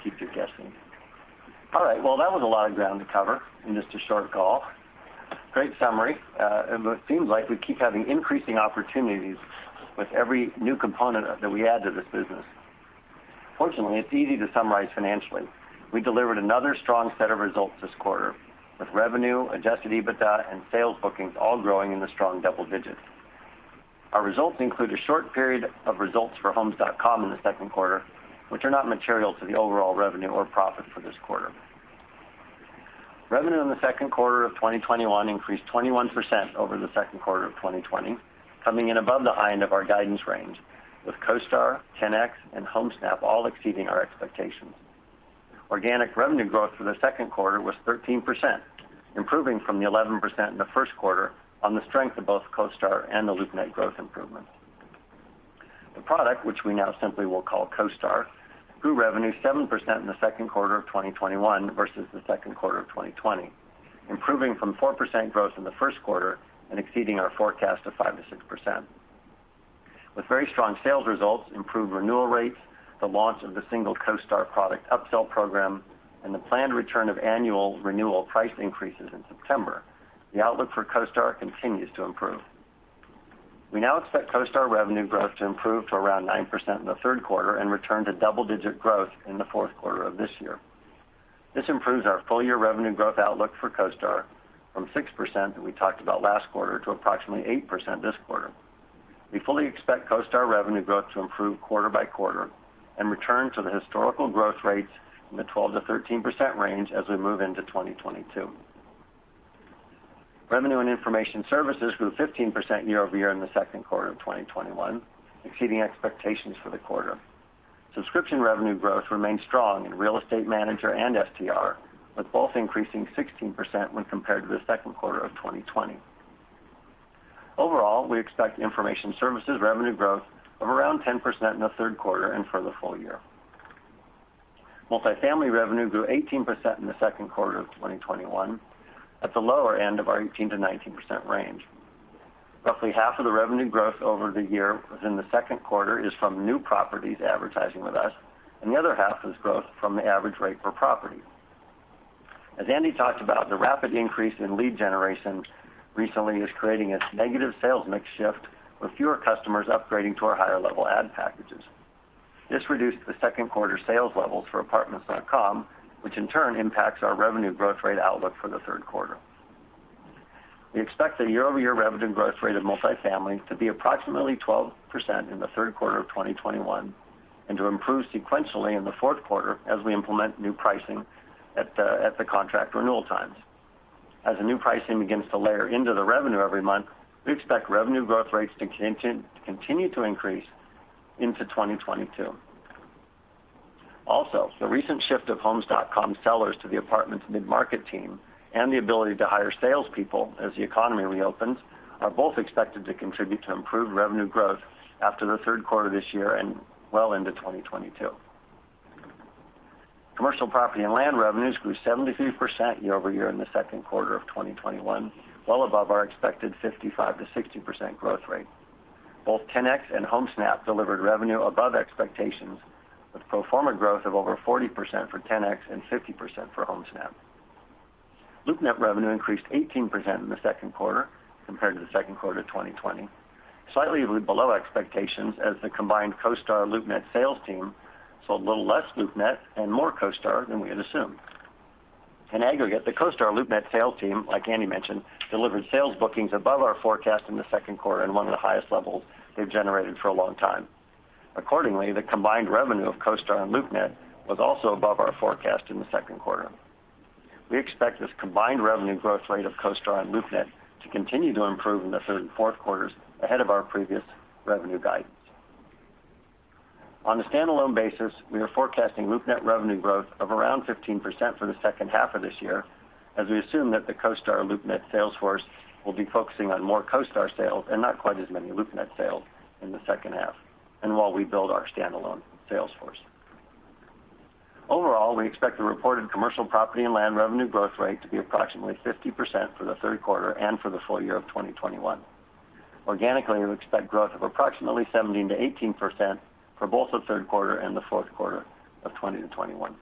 Keep you guessing. All right, well, that was a lot of ground to cover in just a short call. Great summary. It seems like we keep having increasing opportunities with every new component that we add to this business. Fortunately, it's easy to summarize financially. We delivered another strong set of results this quarter, with revenue, adjusted EBITDA, and sales bookings all growing in the strong double digits. Our results include a short period of results for homes.com in the second quarter, which are not material to the overall revenue or profit for this quarter. Revenue in the second quarter of 2021 increased 21% over the second quarter of 2020, coming in above the high end of our guidance range, with CoStar, Ten-X, and Homesnap all exceeding our expectations. Organic revenue growth for the second quarter was 13%, improving from the 11% in the first quarter on the strength of both CoStar and the LoopNet growth improvements. The product, which we now simply will call CoStar, grew revenue 7% in the second quarter of 2021 versus the second quarter of 2020, improving from 4% growth in the first quarter and exceeding our forecast of 5%-6%. With very strong sales results, improved renewal rates, the launch of the single CoStar product upsell program, and the planned return of annual renewal price increases in September, the outlook for CoStar continues to improve. We now expect CoStar revenue growth to improve to around 9% in the third quarter and return to double-digit growth in the fourth quarter of this year. This improves our full-year revenue growth outlook for CoStar from 6% that we talked about last quarter to approximately 8% this quarter. We fully expect CoStar revenue growth to improve quarter by quarter and return to the historical growth rates in the 12%-13% range as we move into 2022. Revenue and information services grew 15% year-over-year in the second quarter of 2021, exceeding expectations for the quarter. Subscription revenue growth remained strong in Real Estate Manager and STR, with both increasing 16% when compared to the second quarter of 2020. Overall, we expect information services revenue growth of around 10% in the third quarter and for the full year. Multifamily revenue grew 18% in the second quarter of 2021 at the lower end of our 18%-19% range. Roughly half of the revenue growth over the year within the second quarter is from new properties advertising with us, and the other half is growth from the average rate per property. As Andy talked about, the rapid increase in lead generation recently is creating a negative sales mix shift with fewer customers upgrading to our higher-level ad packages. This reduced the second quarter sales levels for Apartments.com, which in turn impacts our revenue growth rate outlook for the third quarter. We expect the year-over-year revenue growth rate of multifamily to be approximately 12% in the third quarter of 2021 and to improve sequentially in the fourth quarter as we implement new pricing at the contract renewal times. As the new pricing begins to layer into the revenue every month, we expect revenue growth rates to continue to increase into 2022. Also, the recent shift of Homes.com sellers to the Apartments.com mid-market team, and the ability to hire salespeople as the economy reopens, are both expected to contribute to improved revenue growth after the third quarter of this year and well into 2022. Commercial property and land revenues grew 73% year-over-year in the second quarter of 2021, well above our expected 55%-60% growth rate. Both Ten-X and Homesnap delivered revenue above expectations, with pro forma growth of over 40% for Ten-X and 50% for Homesnap. LoopNet revenue increased 18% in the second quarter compared to the second quarter of 2020, slightly below expectations as the combined CoStar, LoopNet sales team sold a little less LoopNet and more CoStar than we had assumed. In aggregate, the CoStar/LoopNet sales team, like Andy mentioned, delivered sales bookings above our forecast in the second quarter in one of the highest levels they've generated for a long time. Accordingly, the combined revenue of CoStar and LoopNet was also above our forecast in the second quarter. We expect this combined revenue growth rate of CoStar and LoopNet to continue to improve in the third and fourth quarters ahead of our previous revenue guidance. On a standalone basis, we are forecasting LoopNet revenue growth of around 15% for the second half of this year, as we assume that the CoStar, LoopNet sales force will be focusing on more CoStar sales and not quite as many LoopNet sales in the second half, and while we build our standalone sales force. Overall, we expect the reported commercial property and land revenue growth rate to be approximately 50% for the third quarter and for the full year of 2021. Organically, we expect growth of approximately 17%-18% for both the third quarter and the fourth quarter of 2021.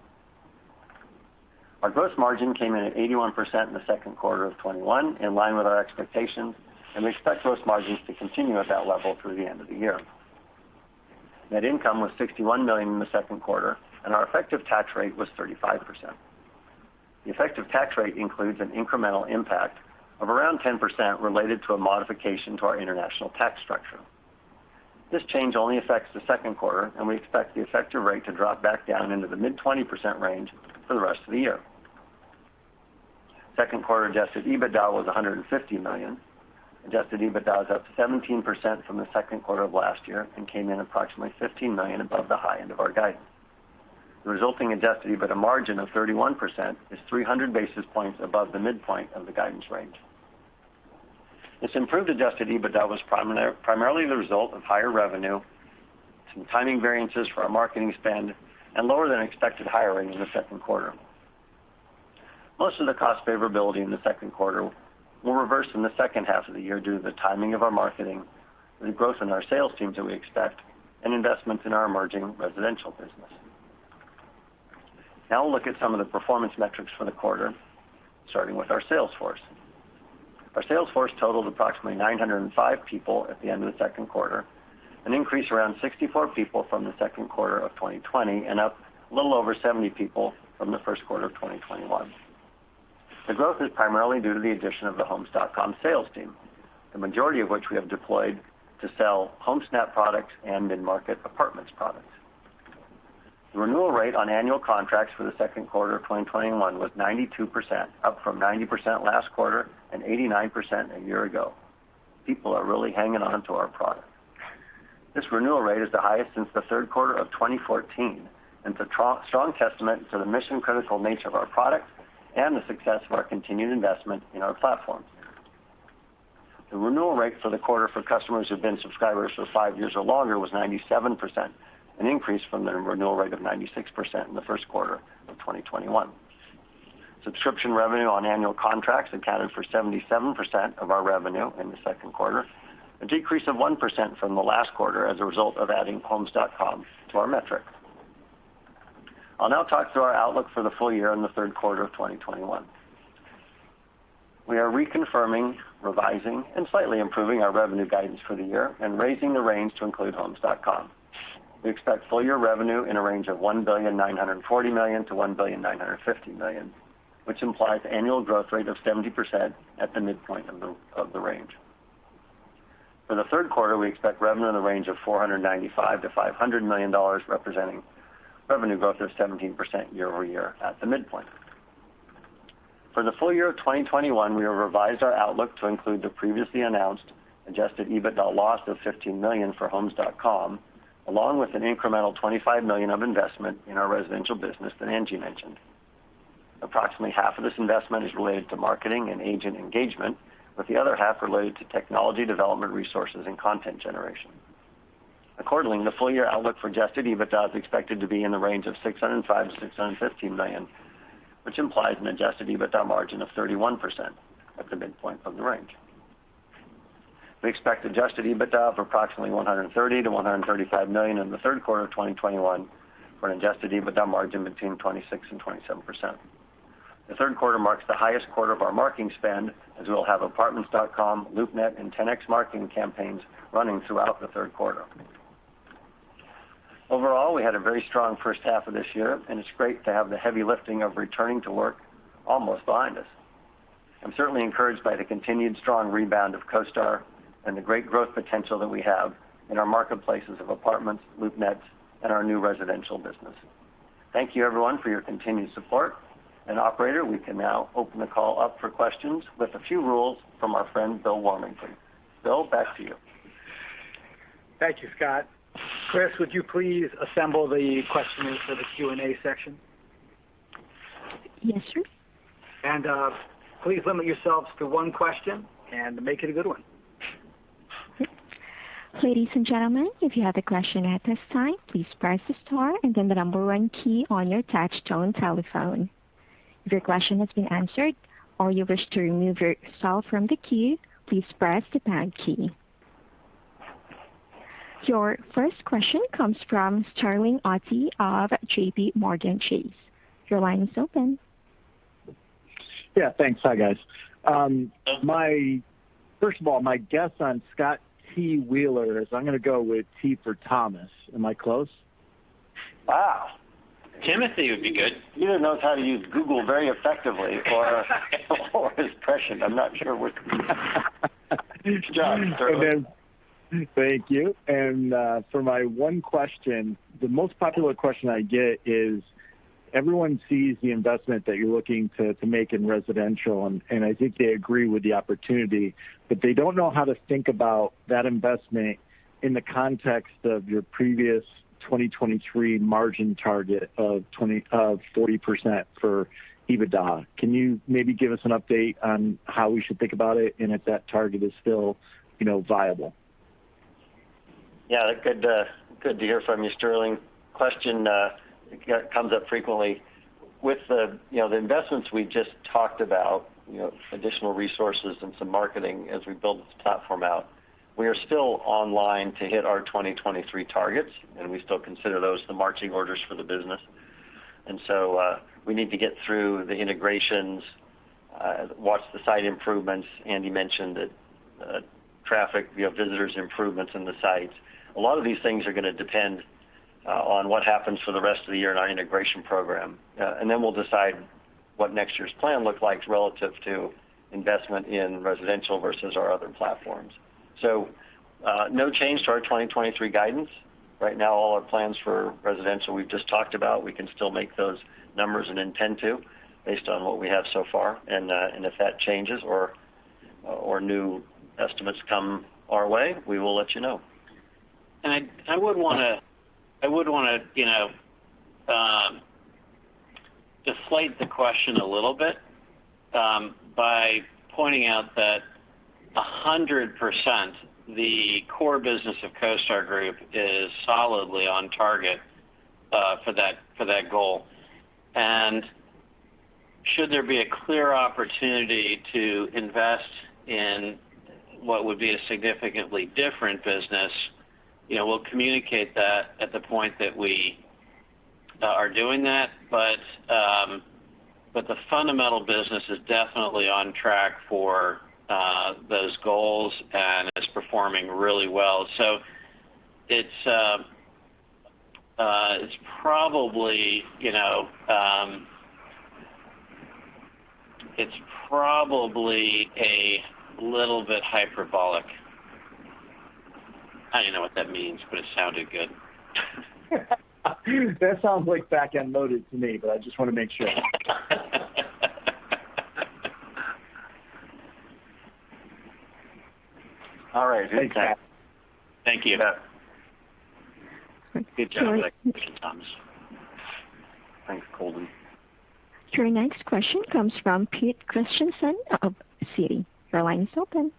Our gross margin came in at 81% in the second quarter of 2021, in line with our expectations, and we expect gross margins to continue at that level through the end of the year. Net income was $61 million in the second quarter, and our effective tax rate was 35%. The effective tax rate includes an incremental impact of around 10% related to a modification to our international tax structure. This change only affects the second quarter, and we expect the effective rate to drop back down into the mid-20% range for the rest of the year. Second quarter adjusted EBITDA was $150 million. Adjusted EBITDA is up 17% from the second quarter of last year and came in approximately $15 million above the high end of our guidance. The resulting adjusted EBITDA margin of 31% is 300 basis points above the midpoint of the guidance range. This improved adjusted EBITDA was primarily the result of higher revenue, some timing variances for our marketing spend, and lower than expected hiring in the second quarter. Most of the cost favorability in the second quarter will reverse in the second half of the year due to the timing of our marketing, the growth in our sales teams that we expect, and investments in our emerging residential business. Now we'll look at some of the performance metrics for the quarter, starting with our sales force. Our sales force totaled approximately 905 people at the end of the second quarter, an increase around 64 people from the second quarter of 2020, and up a little over 70 people from the first quarter of 2021. The growth is primarily due to the addition of the Homes.com sales team, the majority of which we have deployed to sell Homesnap products and mid-market apartments products. T he renewal rate on annual contracts for the second quarter of 2021 was 92%, up from 90% last quarter and 89% a year ago. People are really hanging on to our product. This renewal rate is the highest since the third quarter of 2014, and it's a strong testament to the mission-critical nature of our product and the success of our continued investment in our platform. The renewal rate for the quarter for customers who've been subscribers for five years or longer was 97%, an increase from the renewal rate of 96% in the first quarter of 2021. Subscription revenue on annual contracts accounted for 77% of our revenue in the second quarter, a decrease of 1% from the last quarter as a result of adding homes.com to our metric. I'll now talk through our outlook for the full year and the third quarter of 2021. We are reconfirming, revising, and slightly improving our revenue guidance for the year and raising the range to include homes.com. We expect full year revenue in a range of $1.94 billion-$1.95 billion, which implies annual growth rate of 70% at the midpoint of the range. For the third quarter, we expect revenue in the range of $495 million-$500 million, representing revenue growth of 17% year-over-year at the midpoint. For the full year of 2021, we have revised our outlook to include the previously announced adjusted EBITDA loss of $15 million for Homes.com, along with an incremental $25 million of investment in our residential business that Andy mentioned. Approximately half of this investment is related to marketing and agent engagement, with the other half related to technology development resources and content generation. Accordingly, the full-year outlook for adjusted EBITDA is expected to be in the range of $605 million-$615 million, which implies an adjusted EBITDA margin of 31% at the midpoint of the range. We expect adjusted EBITDA of approximately $130 million-$135 million in the third quarter of 2021 for an adjusted EBITDA margin between 26% and 27%. The third quarter marks the highest quarter of our marketing spend, as we'll have Apartments.com, LoopNet, and Ten-X marketing campaigns running throughout the third quarter. Overall, we had a very strong first half of this year, and it's great to have the heavy lifting of returning to work almost behind us. I'm certainly encouraged by the continued strong rebound of CoStar and the great growth potential that we have in our marketplaces of Apartments, LoopNet, and our new residential business. Thank you everyone for your continued support. Operator, we can now open the call up for questions with a few rules from our friend Bill Warmington. Bill, back to you. Thank you, Scott. Chris, would you please assemble the questioners for the Q&A section? Yes, sure. Please limit yourselves to one question and make it a good one. Ladies and gentlemen, if you have a question at this time, please press the star and then the number one key on your touch-tone telephone. If your question has been answered or you wish to remove yourself from the queue, please press the pound key. Your first question comes from Sterling Auty of JPMorgan Chase. Your line is open. Yeah, thanks. Hi, guys. First of all, my guess on Scott T. Wheeler is I am going to go with T for Thomas. Am I close? Wow. Timothy would be good. He either knows how to use Google very effectively for his question. I'm not sure which. Good job, Sterling. Thank you. For my one question, the most popular question I get is everyone sees the investment that you're looking to make in residential, and I think they agree with the opportunity, but they don't know how to think about that investment in the context of your previous 2023 margin target of 40% for EBITDA. Can you maybe give us an update on how we should think about it, and if that target is still viable? Yeah. Good to hear from you, Sterling. Question comes up frequently. With the investments we just talked about, additional resources and some marketing as we build this platform out, we are still online to hit our 2023 targets, and we still consider those the marching orders for the business. We need to get through the integrations, watch the site improvements. Andy mentioned that traffic, visitors improvements in the sites. A lot of these things are going to depend on what happens for the rest of the year in our integration program. Then we'll decide what next year's plan looks like relative to investment in residential versus our other platforms. No change to our 2023 guidance. Right now, all our plans for residential we've just talked about. We can still make those numbers and intend to based on what we have so far. If that changes or new estimates come our way, we will let you know. I would want to deflate the question a little bit by pointing out that 100%, the core business of CoStar Group is solidly on target for that goal. Should there be a clear opportunity to invest in what would be a significantly different business, we'll communicate that at the point that we are doing that. The fundamental business is definitely on track for those goals and is performing really well. It's probably a little bit hyperbolic. I don't even know what that means, but it sounded good. That sounds like back-end loaded to me, but I just want to make sure. All right. Thanks, Scott. Thank you. You bet. Good job with that question, Scott Wheeler. Thanks, Sterling Auty. Your next question comes from Peter Christiansen of Citi. Your line is open.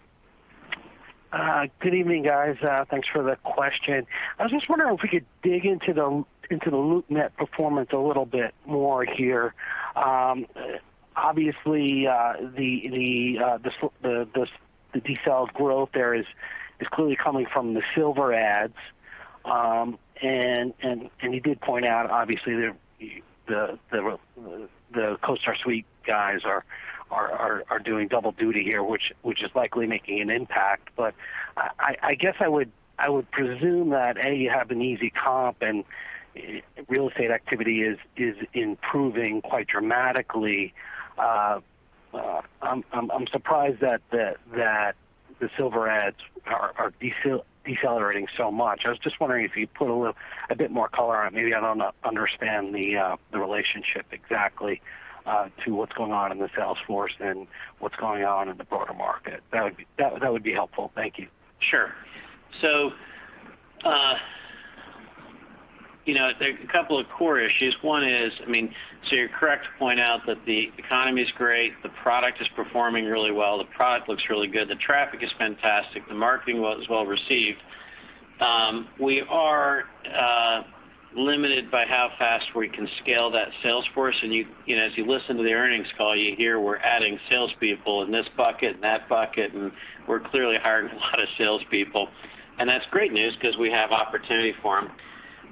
Good evening, guys. Thanks for the question. I was just wondering if we could dig into the LoopNet performance a little bit more here. Obviously, the decel growth there is clearly coming from the Silver ads. You did point out, obviously, the CoStar Suite guys are doing double duty here, which is likely making an impact. I guess I would presume that, A, you have an easy comp and real estate activity is improving quite dramatically. I'm surprised that the Silver ads are decelerating so much. I was just wondering if you'd put a bit more color on it. Maybe I don't understand the relationship exactly to what's going on in the sales force and what's going on in the broader market. That would be helpful. Thank you. Sure. There are a couple of core issues. One is, you're correct to point out that the economy's great, the product is performing really well, the product looks really good, the traffic is fantastic, the marketing was well-received. We are limited by how fast we can scale that sales force, and as you listen to the earnings call, you hear we're adding salespeople in this bucket and that bucket, and we're clearly hiring a lot of salespeople. That's great news because we have opportunity for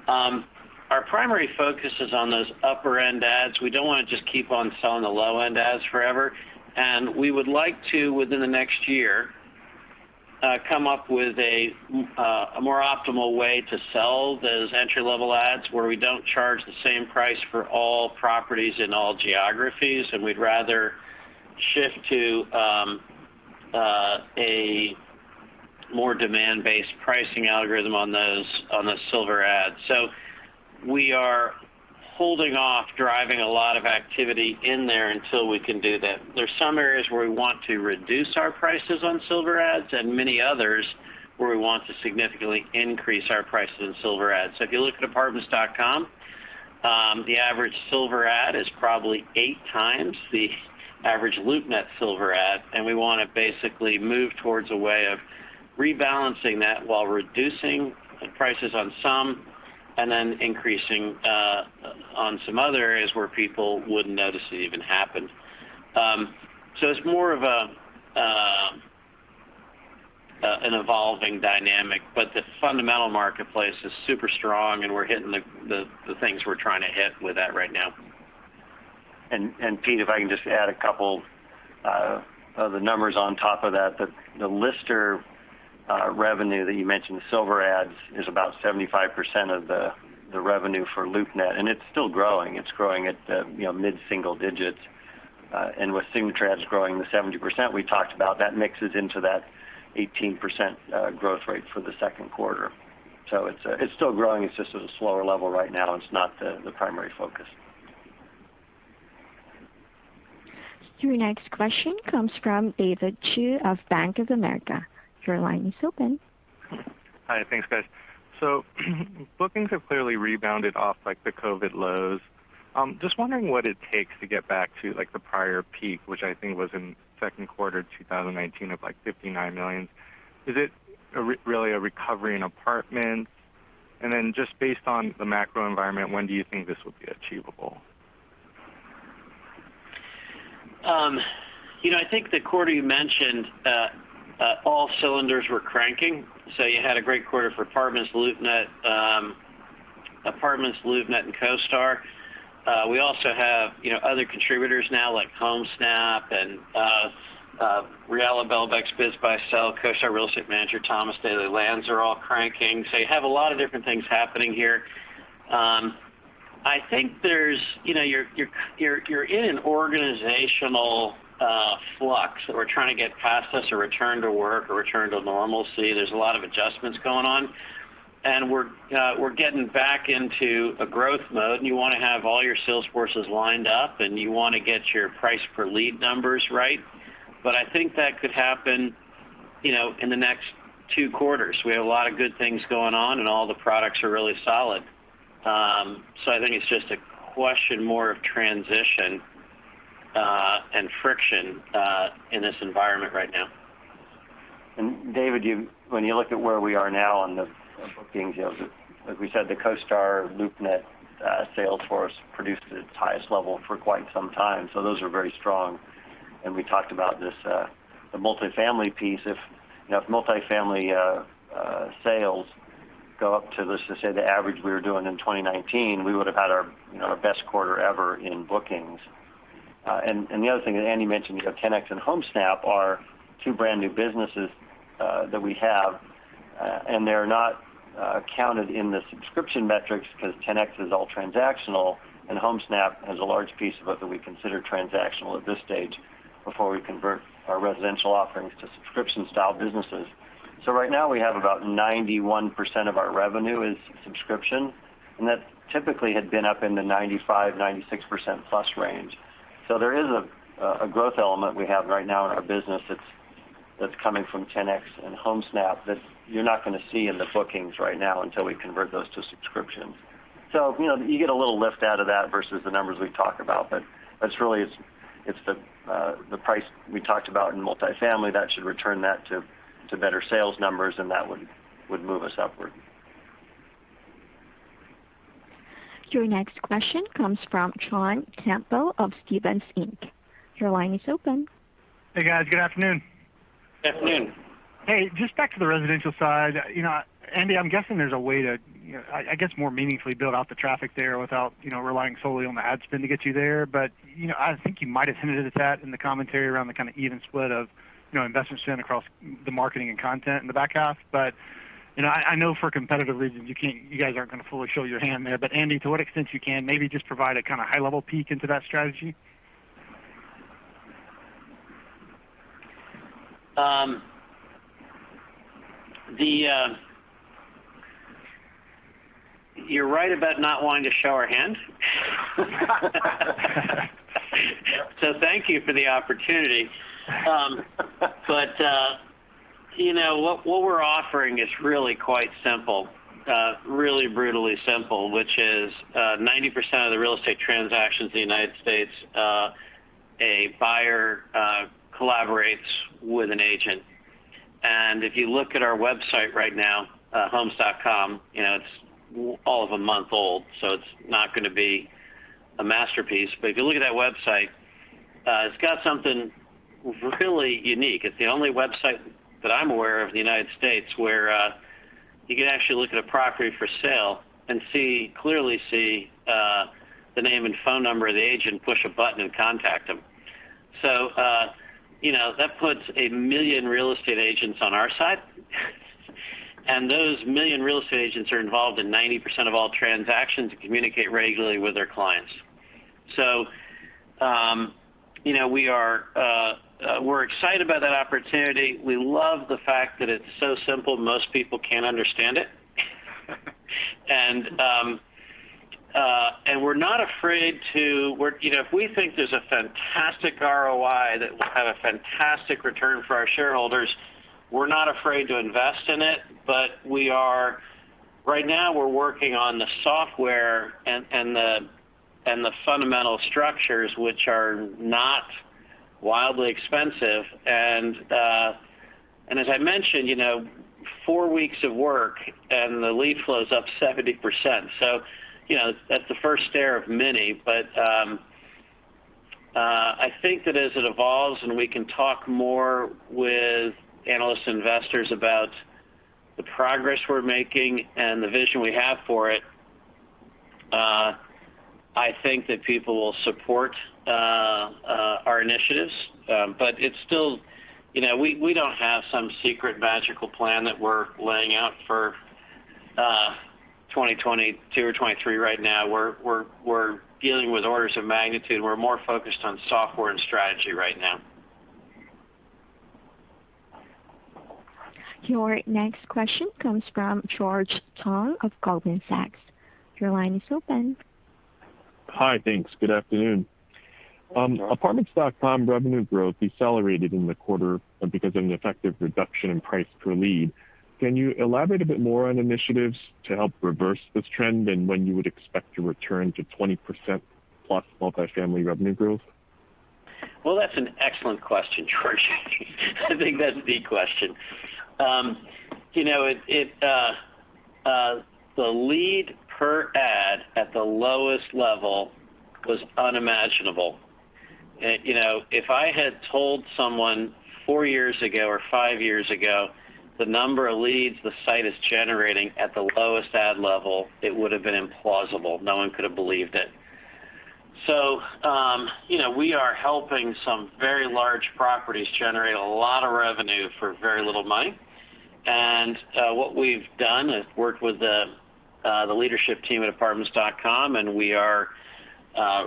them. Our primary focus is on those upper-end ads. We don't want to just keep on selling the low-end ads forever, and we would like to, within the next year, come up with a more optimal way to sell those entry-level ads, where we don't charge the same price for all properties in all geographies, and we'd rather shift to a more demand-based pricing algorithm on the Silver ads. We are holding off driving a lot of activity in there until we can do that. There's some areas where we want to reduce our prices on Silver ads and many others where we want to significantly increase our prices on Silver ads. If you look at Apartments.com, the average Silver ad is probably eight times the average LoopNet Silver ad, and we want to basically move towards a way of rebalancing that while reducing prices on some and then increasing on some other areas where people wouldn't notice it even happened. It's more of an evolving dynamic. The fundamental marketplace is super strong, and we're hitting the things we're trying to hit with that right now. Pete, if I can just add a couple of the numbers on top of that. The lister revenue that you mentioned, the Silver ads, is about 75% of the revenue for LoopNet, and it's still growing. It's growing at mid-single digits. With Signature Ads growing the 70% we talked about, that mixes into that 18% growth rate for the second quarter. It's still growing. It's just at a slower level right now, and it's not the primary focus. Your next question comes from David Chu of Bank of America. Your line is open. Hi, thanks guys. Bookings have clearly rebounded off like the COVID lows. Just wondering what it takes to get back to the prior peak, which I think was in second quarter 2019 of like $59 million. Is it really a recovery in Apartments? Just based on the macro environment, when do you think this will be achievable? I think the quarter you mentioned, all cylinders were cranking. You had a great quarter for Apartments.com, LoopNet, and CoStar. We also have other contributors now like Homesnap and Realla, Belbex, BizBuySell, CoStar Real Estate Manager, Thomas Daily, Land.com are all cranking. You have a lot of different things happening here. I think you're in an organizational flux that we're trying to get past as a return to work or return to normalcy. There's a lot of adjustments going on, and we're getting back into a growth mode, and you want to have all your sales forces lined up, and you want to get your price per lead numbers right. I think that could happen in the next two quarters. We have a lot of good things going on, and all the products are really solid. I think it's just a question more of transition and friction in this environment right now. David, when you look at where we are now on the bookings, like we said, the CoStar, LoopNet sales force produced at its highest level for quite some time. Those are very strong. We talked about the multifamily piece. If multifamily sales go up to, let's just say, the average we were doing in 2019, we would have had our best quarter ever in bookings. The other thing that Andy mentioned, you have Ten-X and Homesnap are two brand-new businesses that we have, and they're not counted in the subscription metrics because Ten-X is all transactional and Homesnap has a large piece of it that we consider transactional at this stage before we convert our residential offerings to subscription-style businesses. Right now we have about 91% of our revenue is subscription, and that typically had been up in the 95%-96%-plus range. There is a growth element we have right now in our business that's coming from Ten-X and Homesnap that you're not going to see in the bookings right now until we convert those to subscriptions. You get a little lift out of that versus the numbers we talk about, but it's the price we talked about in multifamily that should return that to better sales numbers, and that would move us upward. Your next question comes from John Campbell of Stephens Inc. Your line is open. Hey, guys. Good afternoon. Good afternoon. Hey, just back to the residential side. Andy, I'm guessing there's a way to, I guess, more meaningfully build out the traffic there without relying solely on the ad spend to get you there. I think you might have hinted at that in the commentary around the kind of even split of investment spend across the marketing and content in the back half. I know for competitive reasons, you guys aren't going to fully show your hand there. Andy, to what extent you can maybe just provide a kind of high-level peek into that strategy? You're right about not wanting to show our hand. Thank you for the opportunity. What we're offering is really quite simple, really brutally simple, which is 90% of the real estate transactions in the U.S., a buyer collaborates with an agent. If you look at our website right now, homes.com, it's all of one month old, so it's not going to be a masterpiece. If you look at that website, it's got something really unique. It's the only website that I'm aware of in the U.S. where you can actually look at a property for sale and clearly see the name and phone number of the agent, push a button, and contact them. That puts a million real estate agents on our side. Those million real estate agents are involved in 90% of all transactions and communicate regularly with their clients. We're excited about that opportunity. We love the fact that it's so simple, most people can understand it. If we think there's a fantastic ROI that will have a fantastic return for our shareholders, we're not afraid to invest in it, but right now we're working on the software and the fundamental structures which are not wildly expensive. As I mentioned, four weeks of work and the lead flow is up 70%. That's the first stair of many, but I think that as it evolves and we can talk more with analyst investors about the progress we're making and the vision we have for it, I think that people will support our initiatives. We don't have some secret magical plan that we're laying out for 2022 or 2023 right now. We're dealing with orders of magnitude. We're more focused on software and strategy right now. Your next question comes from George Tong of Goldman Sachs. Your line is open. Hi, thanks. Good afternoon. Good afternoon. Apartments.com revenue growth decelerated in the quarter because of an effective reduction in price per lead. Can you elaborate a bit more on initiatives to help reverse this trend and when you would expect to return to 20%+ multifamily revenue growth? Well, that's an excellent question, George. I think that's the question. The lead per ad at the lowest level was unimaginable. If I had told someone four years ago or five years ago, the number of leads the site is generating at the lowest ad level, it would've been implausible. No one could've believed it. We are helping some very large properties generate a lot of revenue for very little money. What we've done is worked with the leadership team at Apartments.com, and we are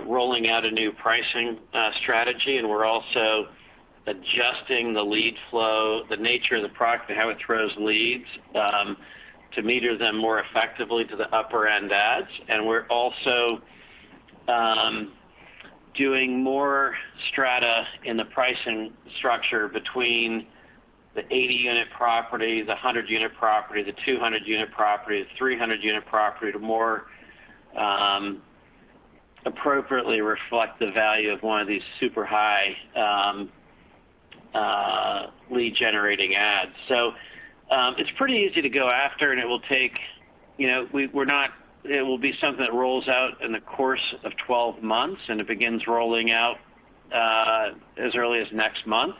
rolling out a new pricing strategy, and we're also adjusting the lead flow, the nature of the product and how it throws leads, to meter them more effectively to the upper-end ads. We're also doing more strata in the pricing structure between the 80-unit property, the 100-unit property, the 200-unit property, the 300-unit property to more appropriately reflect the value of one of these super high lead-generating ads. It's pretty easy to go after, and it will be something that rolls out in the course of 12 months, and it begins rolling out as early as next month.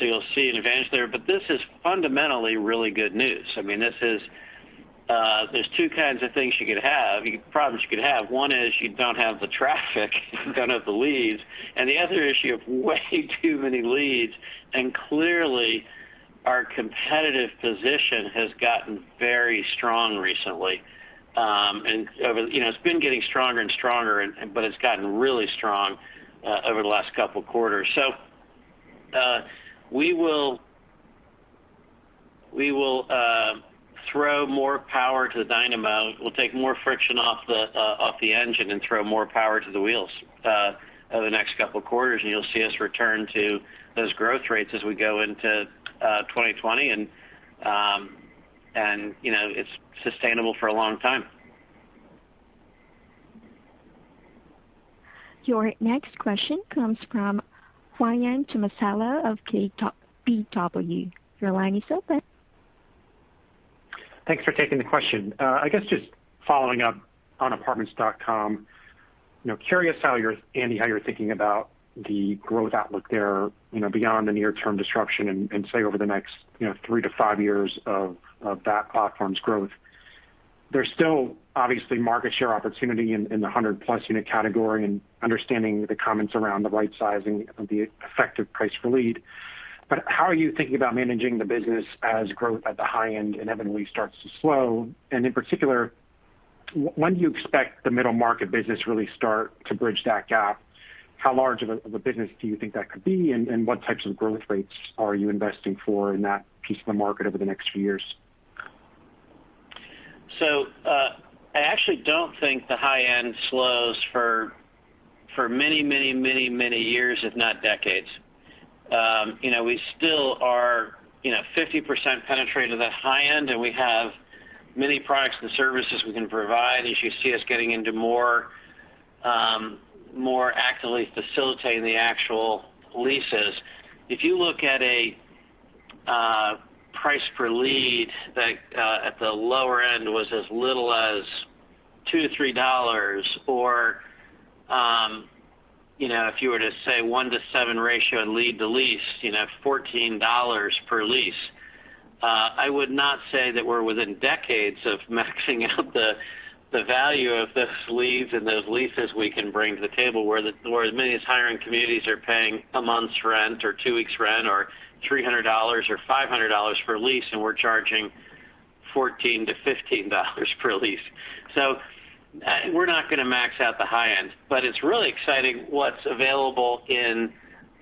You'll see an advantage there. This is fundamentally really good news. There's two kinds of problems you could have. One is you don't have the traffic, you don't have the leads, and the other is you have way too many leads. Clearly, our competitive position has gotten very strong recently. It's been getting stronger and stronger, but it's gotten really strong over the last couple of quarters. We will throw more power to the dynamo. We'll take more friction off the engine and throw more power to the wheels, over the next couple of quarters. You'll see us return to those growth rates as we go into 2020. It's sustainable for a long time. Your next question comes from Ryan Tomasello of KBW. Your line is open. Thanks for taking the question. I guess just following up on Apartments.com, curious, Andy, how you're thinking about the growth outlook there, beyond the near-term disruption and say over the next three to five years of that platform's growth. There's still obviously market share opportunity in the 100-plus unit category and understanding the comments around the right sizing of the effective price per lead. How are you thinking about managing the business as growth at the high end inevitably starts to slow? In particular, when do you expect the middle market business really start to bridge that gap? How large of a business do you think that could be, and what types of growth rates are you investing for in that piece of the market over the next few years? I actually don't think the high end slows for many years, if not decades. We still are 50% penetrated at high end, and we have many products and services we can provide as you see us getting into more actively facilitating the actual leases. If you look at a price per lead that at the lower end was as little as $2 to $3 or, if you were to say 1 to 7 ratio in lead to lease, $14 per lease. I would not say that we're within decades of maxing out the value of the leads and those leases we can bring to the table, where as many as higher-end communities are paying a month's rent or two weeks' rent or $300 or $500 per lease, and we're charging $14 to $15 per lease. We're not going to max out the high end, but it's really exciting what's available in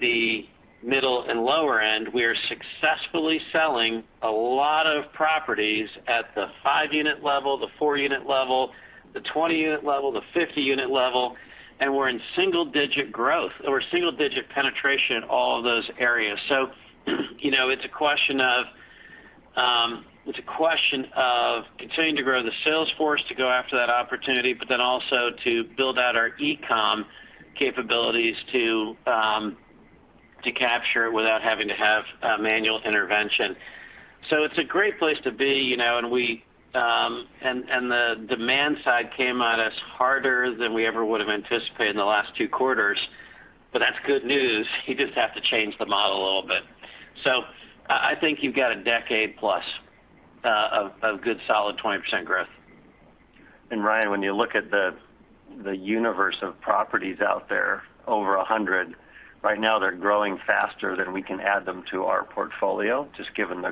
the middle and lower end. We are successfully selling a lot of properties at the five-unit level, the four-unit level, the 20-unit level, the 50-unit level, and we're in single-digit growth or single-digit penetration in all of those areas. It's a question of continuing to grow the sales force to go after that opportunity, but then also to build out our e-com capabilities to capture it without having to have manual intervention. It's a great place to be, and the demand side came at us harder than we ever would've anticipated in the last two quarters. That's good news. You just have to change the model a little bit. I think you've got a decade-plus of good, solid 20% growth. Ryan, when you look at the universe of properties out there, over 100, right now they're growing faster than we can add them to our portfolio, just given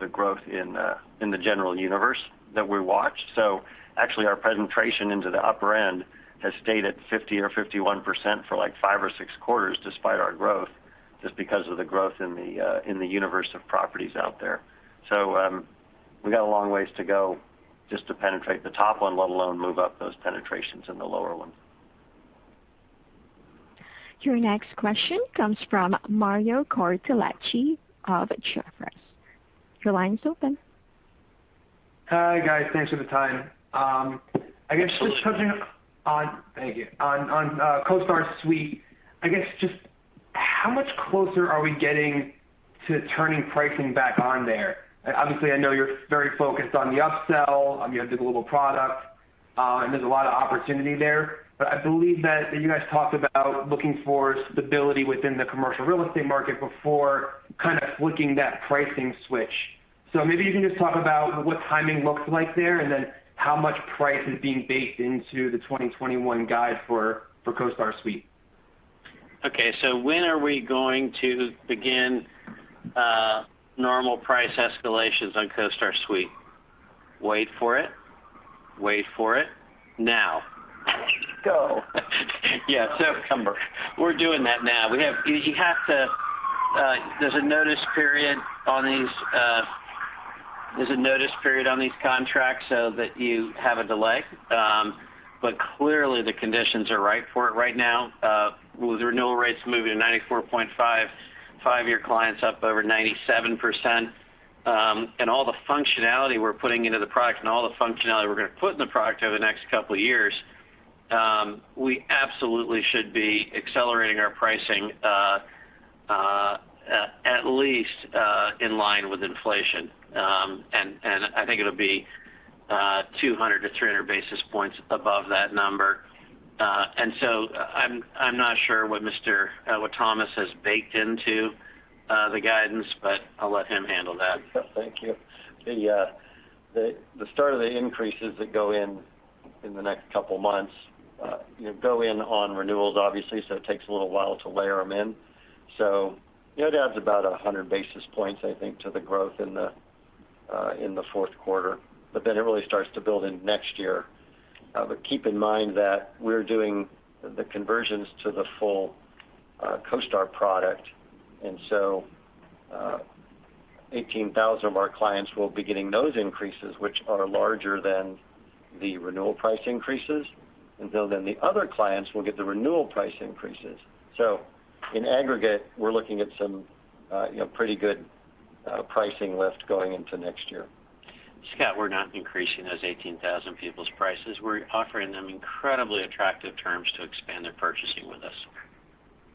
the growth in the general universe that we watch. Actually, our penetration into the upper end has stayed at 50% or 51% for five or six quarters despite our growth, just because of the growth in the universe of properties out there. We've got a long way to go just to penetrate the top 1, let alone move up those penetrations in the lower ones. Your next question comes from Mario Cortellacci of Jefferies. Your line is open. Hi, guys. Thanks for the time. Of course. Thank you. On CoStar Suite, I guess just how much closer are we getting to turning pricing back on there? Obviously, I know you're very focused on the upsell, on your digital product, and there's a lot of opportunity there. I believe that you guys talked about looking for stability within the commercial real estate market before kind of flicking that pricing switch. Maybe you can just talk about what timing looks like there, and then how much price is being baked into the 2021 guide for CoStar Suite. Okay. When are we going to begin normal price escalations on CoStar Suite? Wait for it. Now. Go. Yeah. September. We're doing that now. There's a notice period on these contracts so that you have a delay. Clearly the conditions are right for it right now, with renewal rates moving to 94.5%, five-year clients up over 97%, and all the functionality we're putting into the product and all the functionality we're going to put in the product over the next couple of years, we absolutely should be accelerating our pricing at least in line with inflation. I think it'll be 200-300 basis points above that number. I'm not sure what Scott Wheeler has baked into the guidance, but I'll let him handle that. Thank you. The start of the increases that go in the next couple of months, go in on renewals obviously, so it takes a little while to layer them in. It adds about 100 basis points, I think, to the growth in the fourth quarter. It really starts to build in next year. Keep in mind that we're doing the conversions to the full CoStar product. 18,000 of our clients will be getting those increases, which are larger than the renewal price increases, until then the other clients will get the renewal price increases. In aggregate, we're looking at some pretty good pricing lift going into next year. Scott, we're not increasing those 18,000 people's prices. We're offering them incredibly attractive terms to expand their purchasing with us.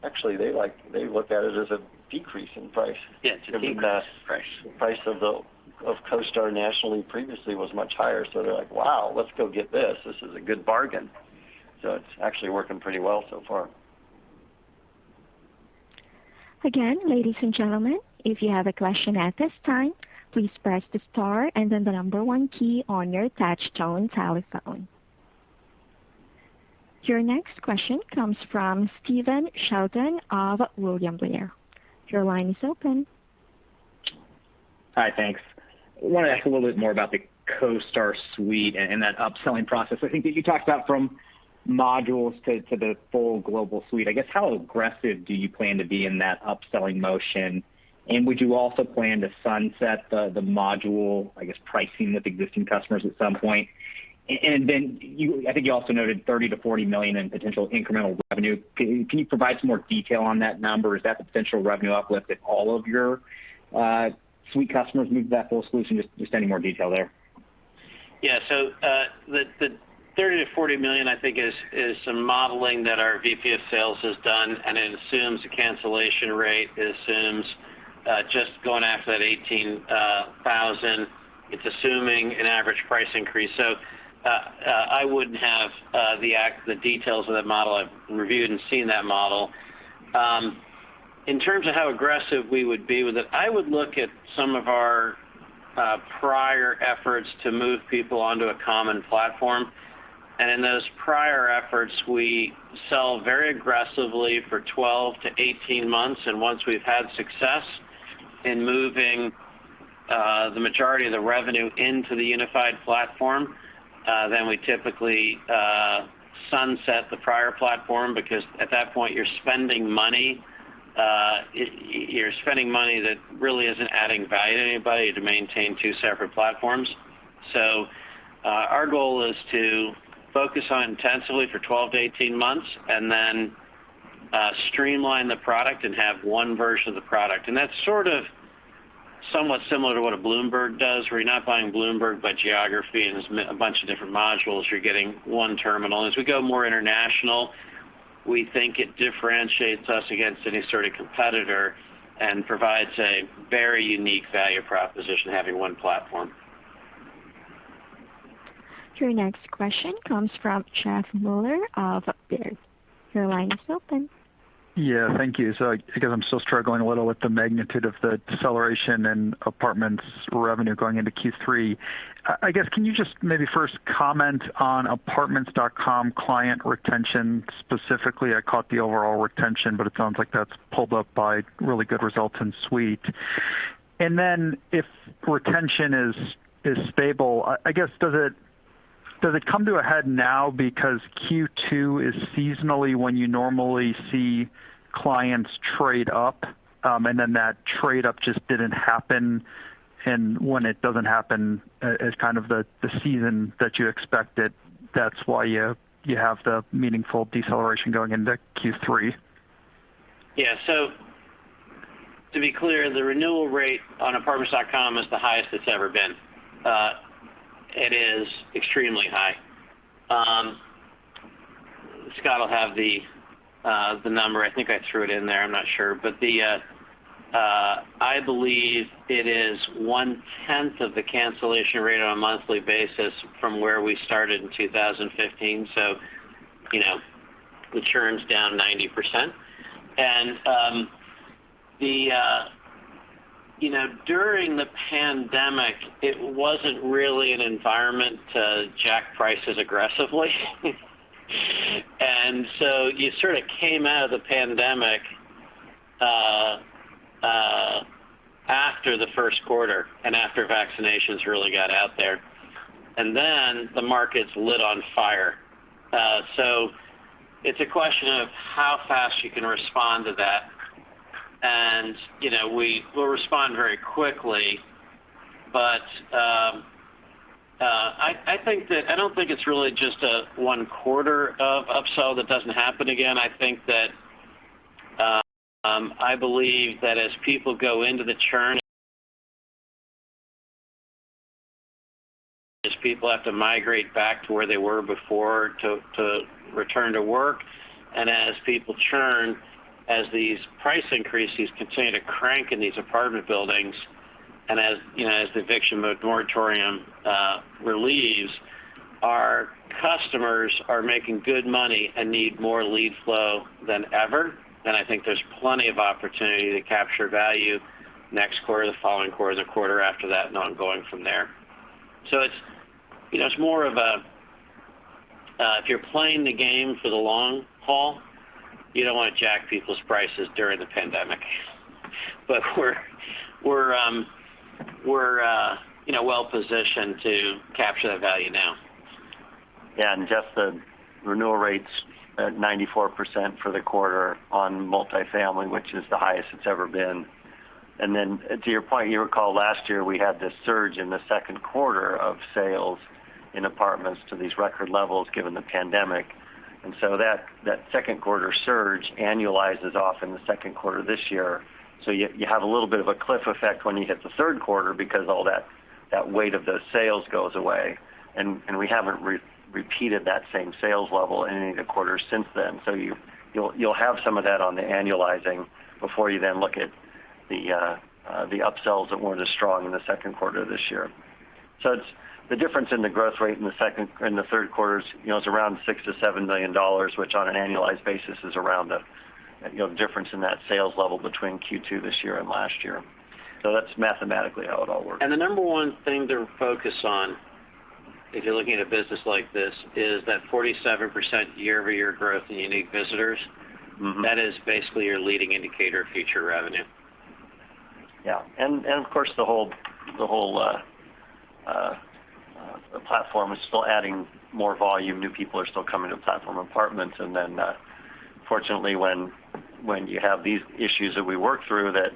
Actually, they look at it as a decrease in price. Yeah, it's a decrease in price. The price of CoStar nationally previously was much higher, so they're like, "Wow, let's go get this. This is a good bargain." It's actually working pretty well so far. Your next question comes from Stephen Sheldon of William Blair. Your line is open. Hi, thanks. I want to ask a little bit more about the CoStar Suite and that upselling process. I think that you talked about from modules to the full global suite. I guess how aggressive do you plan to be in that upselling motion, and would you also plan to sunset the module, I guess, pricing with existing customers at some point? I think you also noted $30 million to $40 million in potential incremental revenue. Can you provide some more detail on that number? Is that the potential revenue uplift if all of your Suite customers move to that full solution? Just any more detail there. The $30 million to $40 million, I think, is some modeling that our VP of sales has done. It assumes a cancellation rate. It assumes just going after that 18,000. It's assuming an average price increase. I wouldn't have the details of that model. I've reviewed and seen that model. In terms of how aggressive we would be with it, I would look at some of our prior efforts to move people onto a common platform. In those prior efforts, we sell very aggressively for 12-18 months. Once we've had success in moving the majority of the revenue into the unified platform, we typically sunset the prior platform because at that point you're spending money that really isn't adding value to anybody to maintain two separate platforms. Our goal is to focus on intensively for 12 to 18 months and then streamline the product and have 1 version of the product. That's sort of somewhat similar to what a Bloomberg does, where you're not buying Bloomberg by geography and there's a bunch of different modules. You're getting one terminal. As we go more international, we think it differentiates us against any sort of competitor and provides a very unique value proposition having one platform. Your next question comes from Jeff Meuler of Baird. Your line is open. Yeah, thank you. I guess I'm still struggling a little with the magnitude of the deceleration in Apartments.com revenue going into Q3. Can you just maybe first comment on Apartments.com client retention specifically? I caught the overall retention, but it sounds like that's pulled up by really good results in Suite. If retention is stable, does it come to a head now because Q2 is seasonally when you normally see clients trade up, and then that trade up just didn't happen, and when it doesn't happen as kind of the season that you expect it, that's why you have the meaningful deceleration going into Q3? Yeah. To be clear, the renewal rate on Apartments.com is the highest it's ever been. It is extremely high. Scott will have the number. I think I threw it in there. I'm not sure. I believe it is one tenth of the cancellation rate on a monthly basis from where we started in 2015. It churns down 90%. During the pandemic, it wasn't really an environment to jack prices aggressively. You sort of came out of the pandemic after the first quarter and after vaccinations really got out there. The markets lit on fire. It's a question of how fast you can respond to that. We'll respond very quickly, but I don't think it's really just a one quarter of upsell that doesn't happen again. I believe that as people go into the churn, as people have to migrate back to where they were before to return to work, and as people churn, as these price increases continue to crank in these apartment buildings, and as the eviction moratorium relieves, our customers are making good money and need more lead flow than ever. I think there's plenty of opportunity to capture value next quarter, the following quarter, the quarter after that, and ongoing from there. It's more of a if you're playing the game for the long haul, you don't want to jack people's prices during the pandemic. We're well-positioned to capture that value now. Yeah. Jeff, the renewal rate's at 94% for the quarter on multifamily, which is the highest it's ever been. To your point, you recall last year, we had this surge in the 2nd quarter of sales in apartments to these record levels given the pandemic. That 2nd quarter surge annualizes off in the 2nd quarter this year. You have a little bit of a cliff effect when you hit the 3rd quarter because all that weight of those sales goes away, and we haven't repeated that same sales level in any of the quarters since then. You'll have some of that on the annualizing before you then look at the upsells that weren't as strong in the 2nd quarter this year. The difference in the growth rate in the third quarter is around $6 to $7 million, which on an annualized basis is around the difference in that sales level between Q2 this year and last year. That's mathematically how it all works. The number one thing to focus on if you're looking at a business like this is that 47% year-over-year growth in unique visitors. That is basically your leading indicator of future revenue. Yeah. Of course, the whole platform is still adding more volume. New people are still coming to the platform Apartments.com. Fortunately, when you have these issues that we work through, that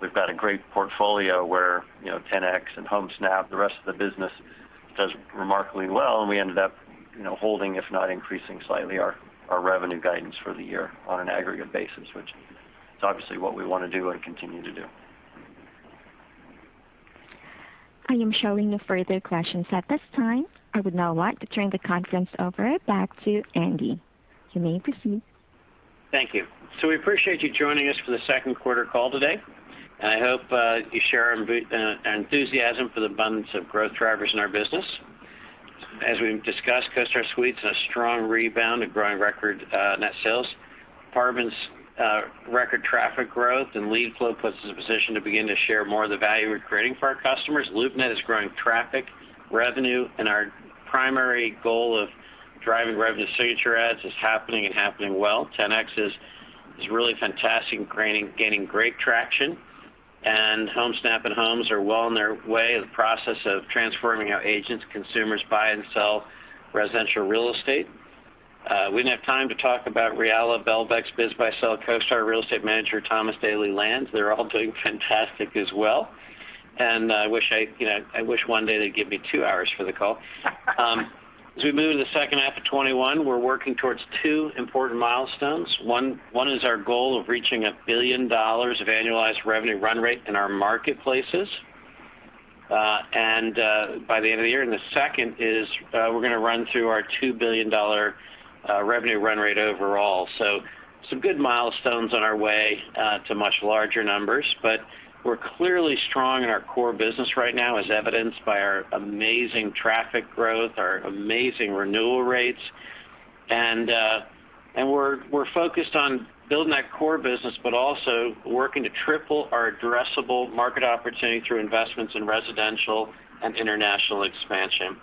we've got a great portfolio where Ten-X and Homesnap, the rest of the business does remarkably well, and we ended up holding, if not increasing slightly, our revenue guidance for the year on an aggregate basis, which is obviously what we want to do and continue to do. I am showing no further questions at this time. I would now like to turn the conference over back to Andy. You may proceed. Thank you. We appreciate you joining us for the second quarter call today, and I hope you share our enthusiasm for the abundance of growth drivers in our business. As we've discussed, CoStar Suite has a strong rebound and growing record net sales. Apartments' record traffic growth and lead flow puts us in a position to begin to share more of the value we're creating for our customers. LoopNet is growing traffic, revenue, and our primary goal of driving revenue Signature Ads is happening and happening well. Ten-X is really fantastic and gaining great traction. Homesnap and Homes are well on their way of the process of transforming how agents, consumers buy and sell residential real estate. We didn't have time to talk about Realla, Belbex, BizBuySell, CoStar Real Estate Manager, Thomas Daily, Lands. They're all doing fantastic as well. I wish one day they'd give me two hours for the call. As we move into the second half of 2021, we're working towards two important milestones. One is our goal of reaching a $1 billion of annualized revenue run rate in our marketplaces by the end of the year. The second is we're going to run through our $2 billion revenue run rate overall. Some good milestones on our way to much larger numbers. We're clearly strong in our core business right now, as evidenced by our amazing traffic growth, our amazing renewal rates. We're focused on building that core business, but also working to triple our addressable market opportunity through investments in residential and international expansion.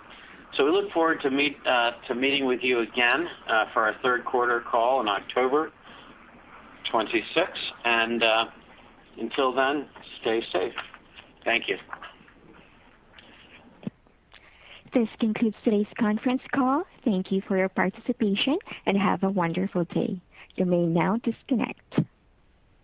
We look forward to meeting with you again for our third quarter call on October 26th. Until then, stay safe. Thank you. This concludes today's conference call. Thank you for your participation, and have a wonderful day. You may now disconnect.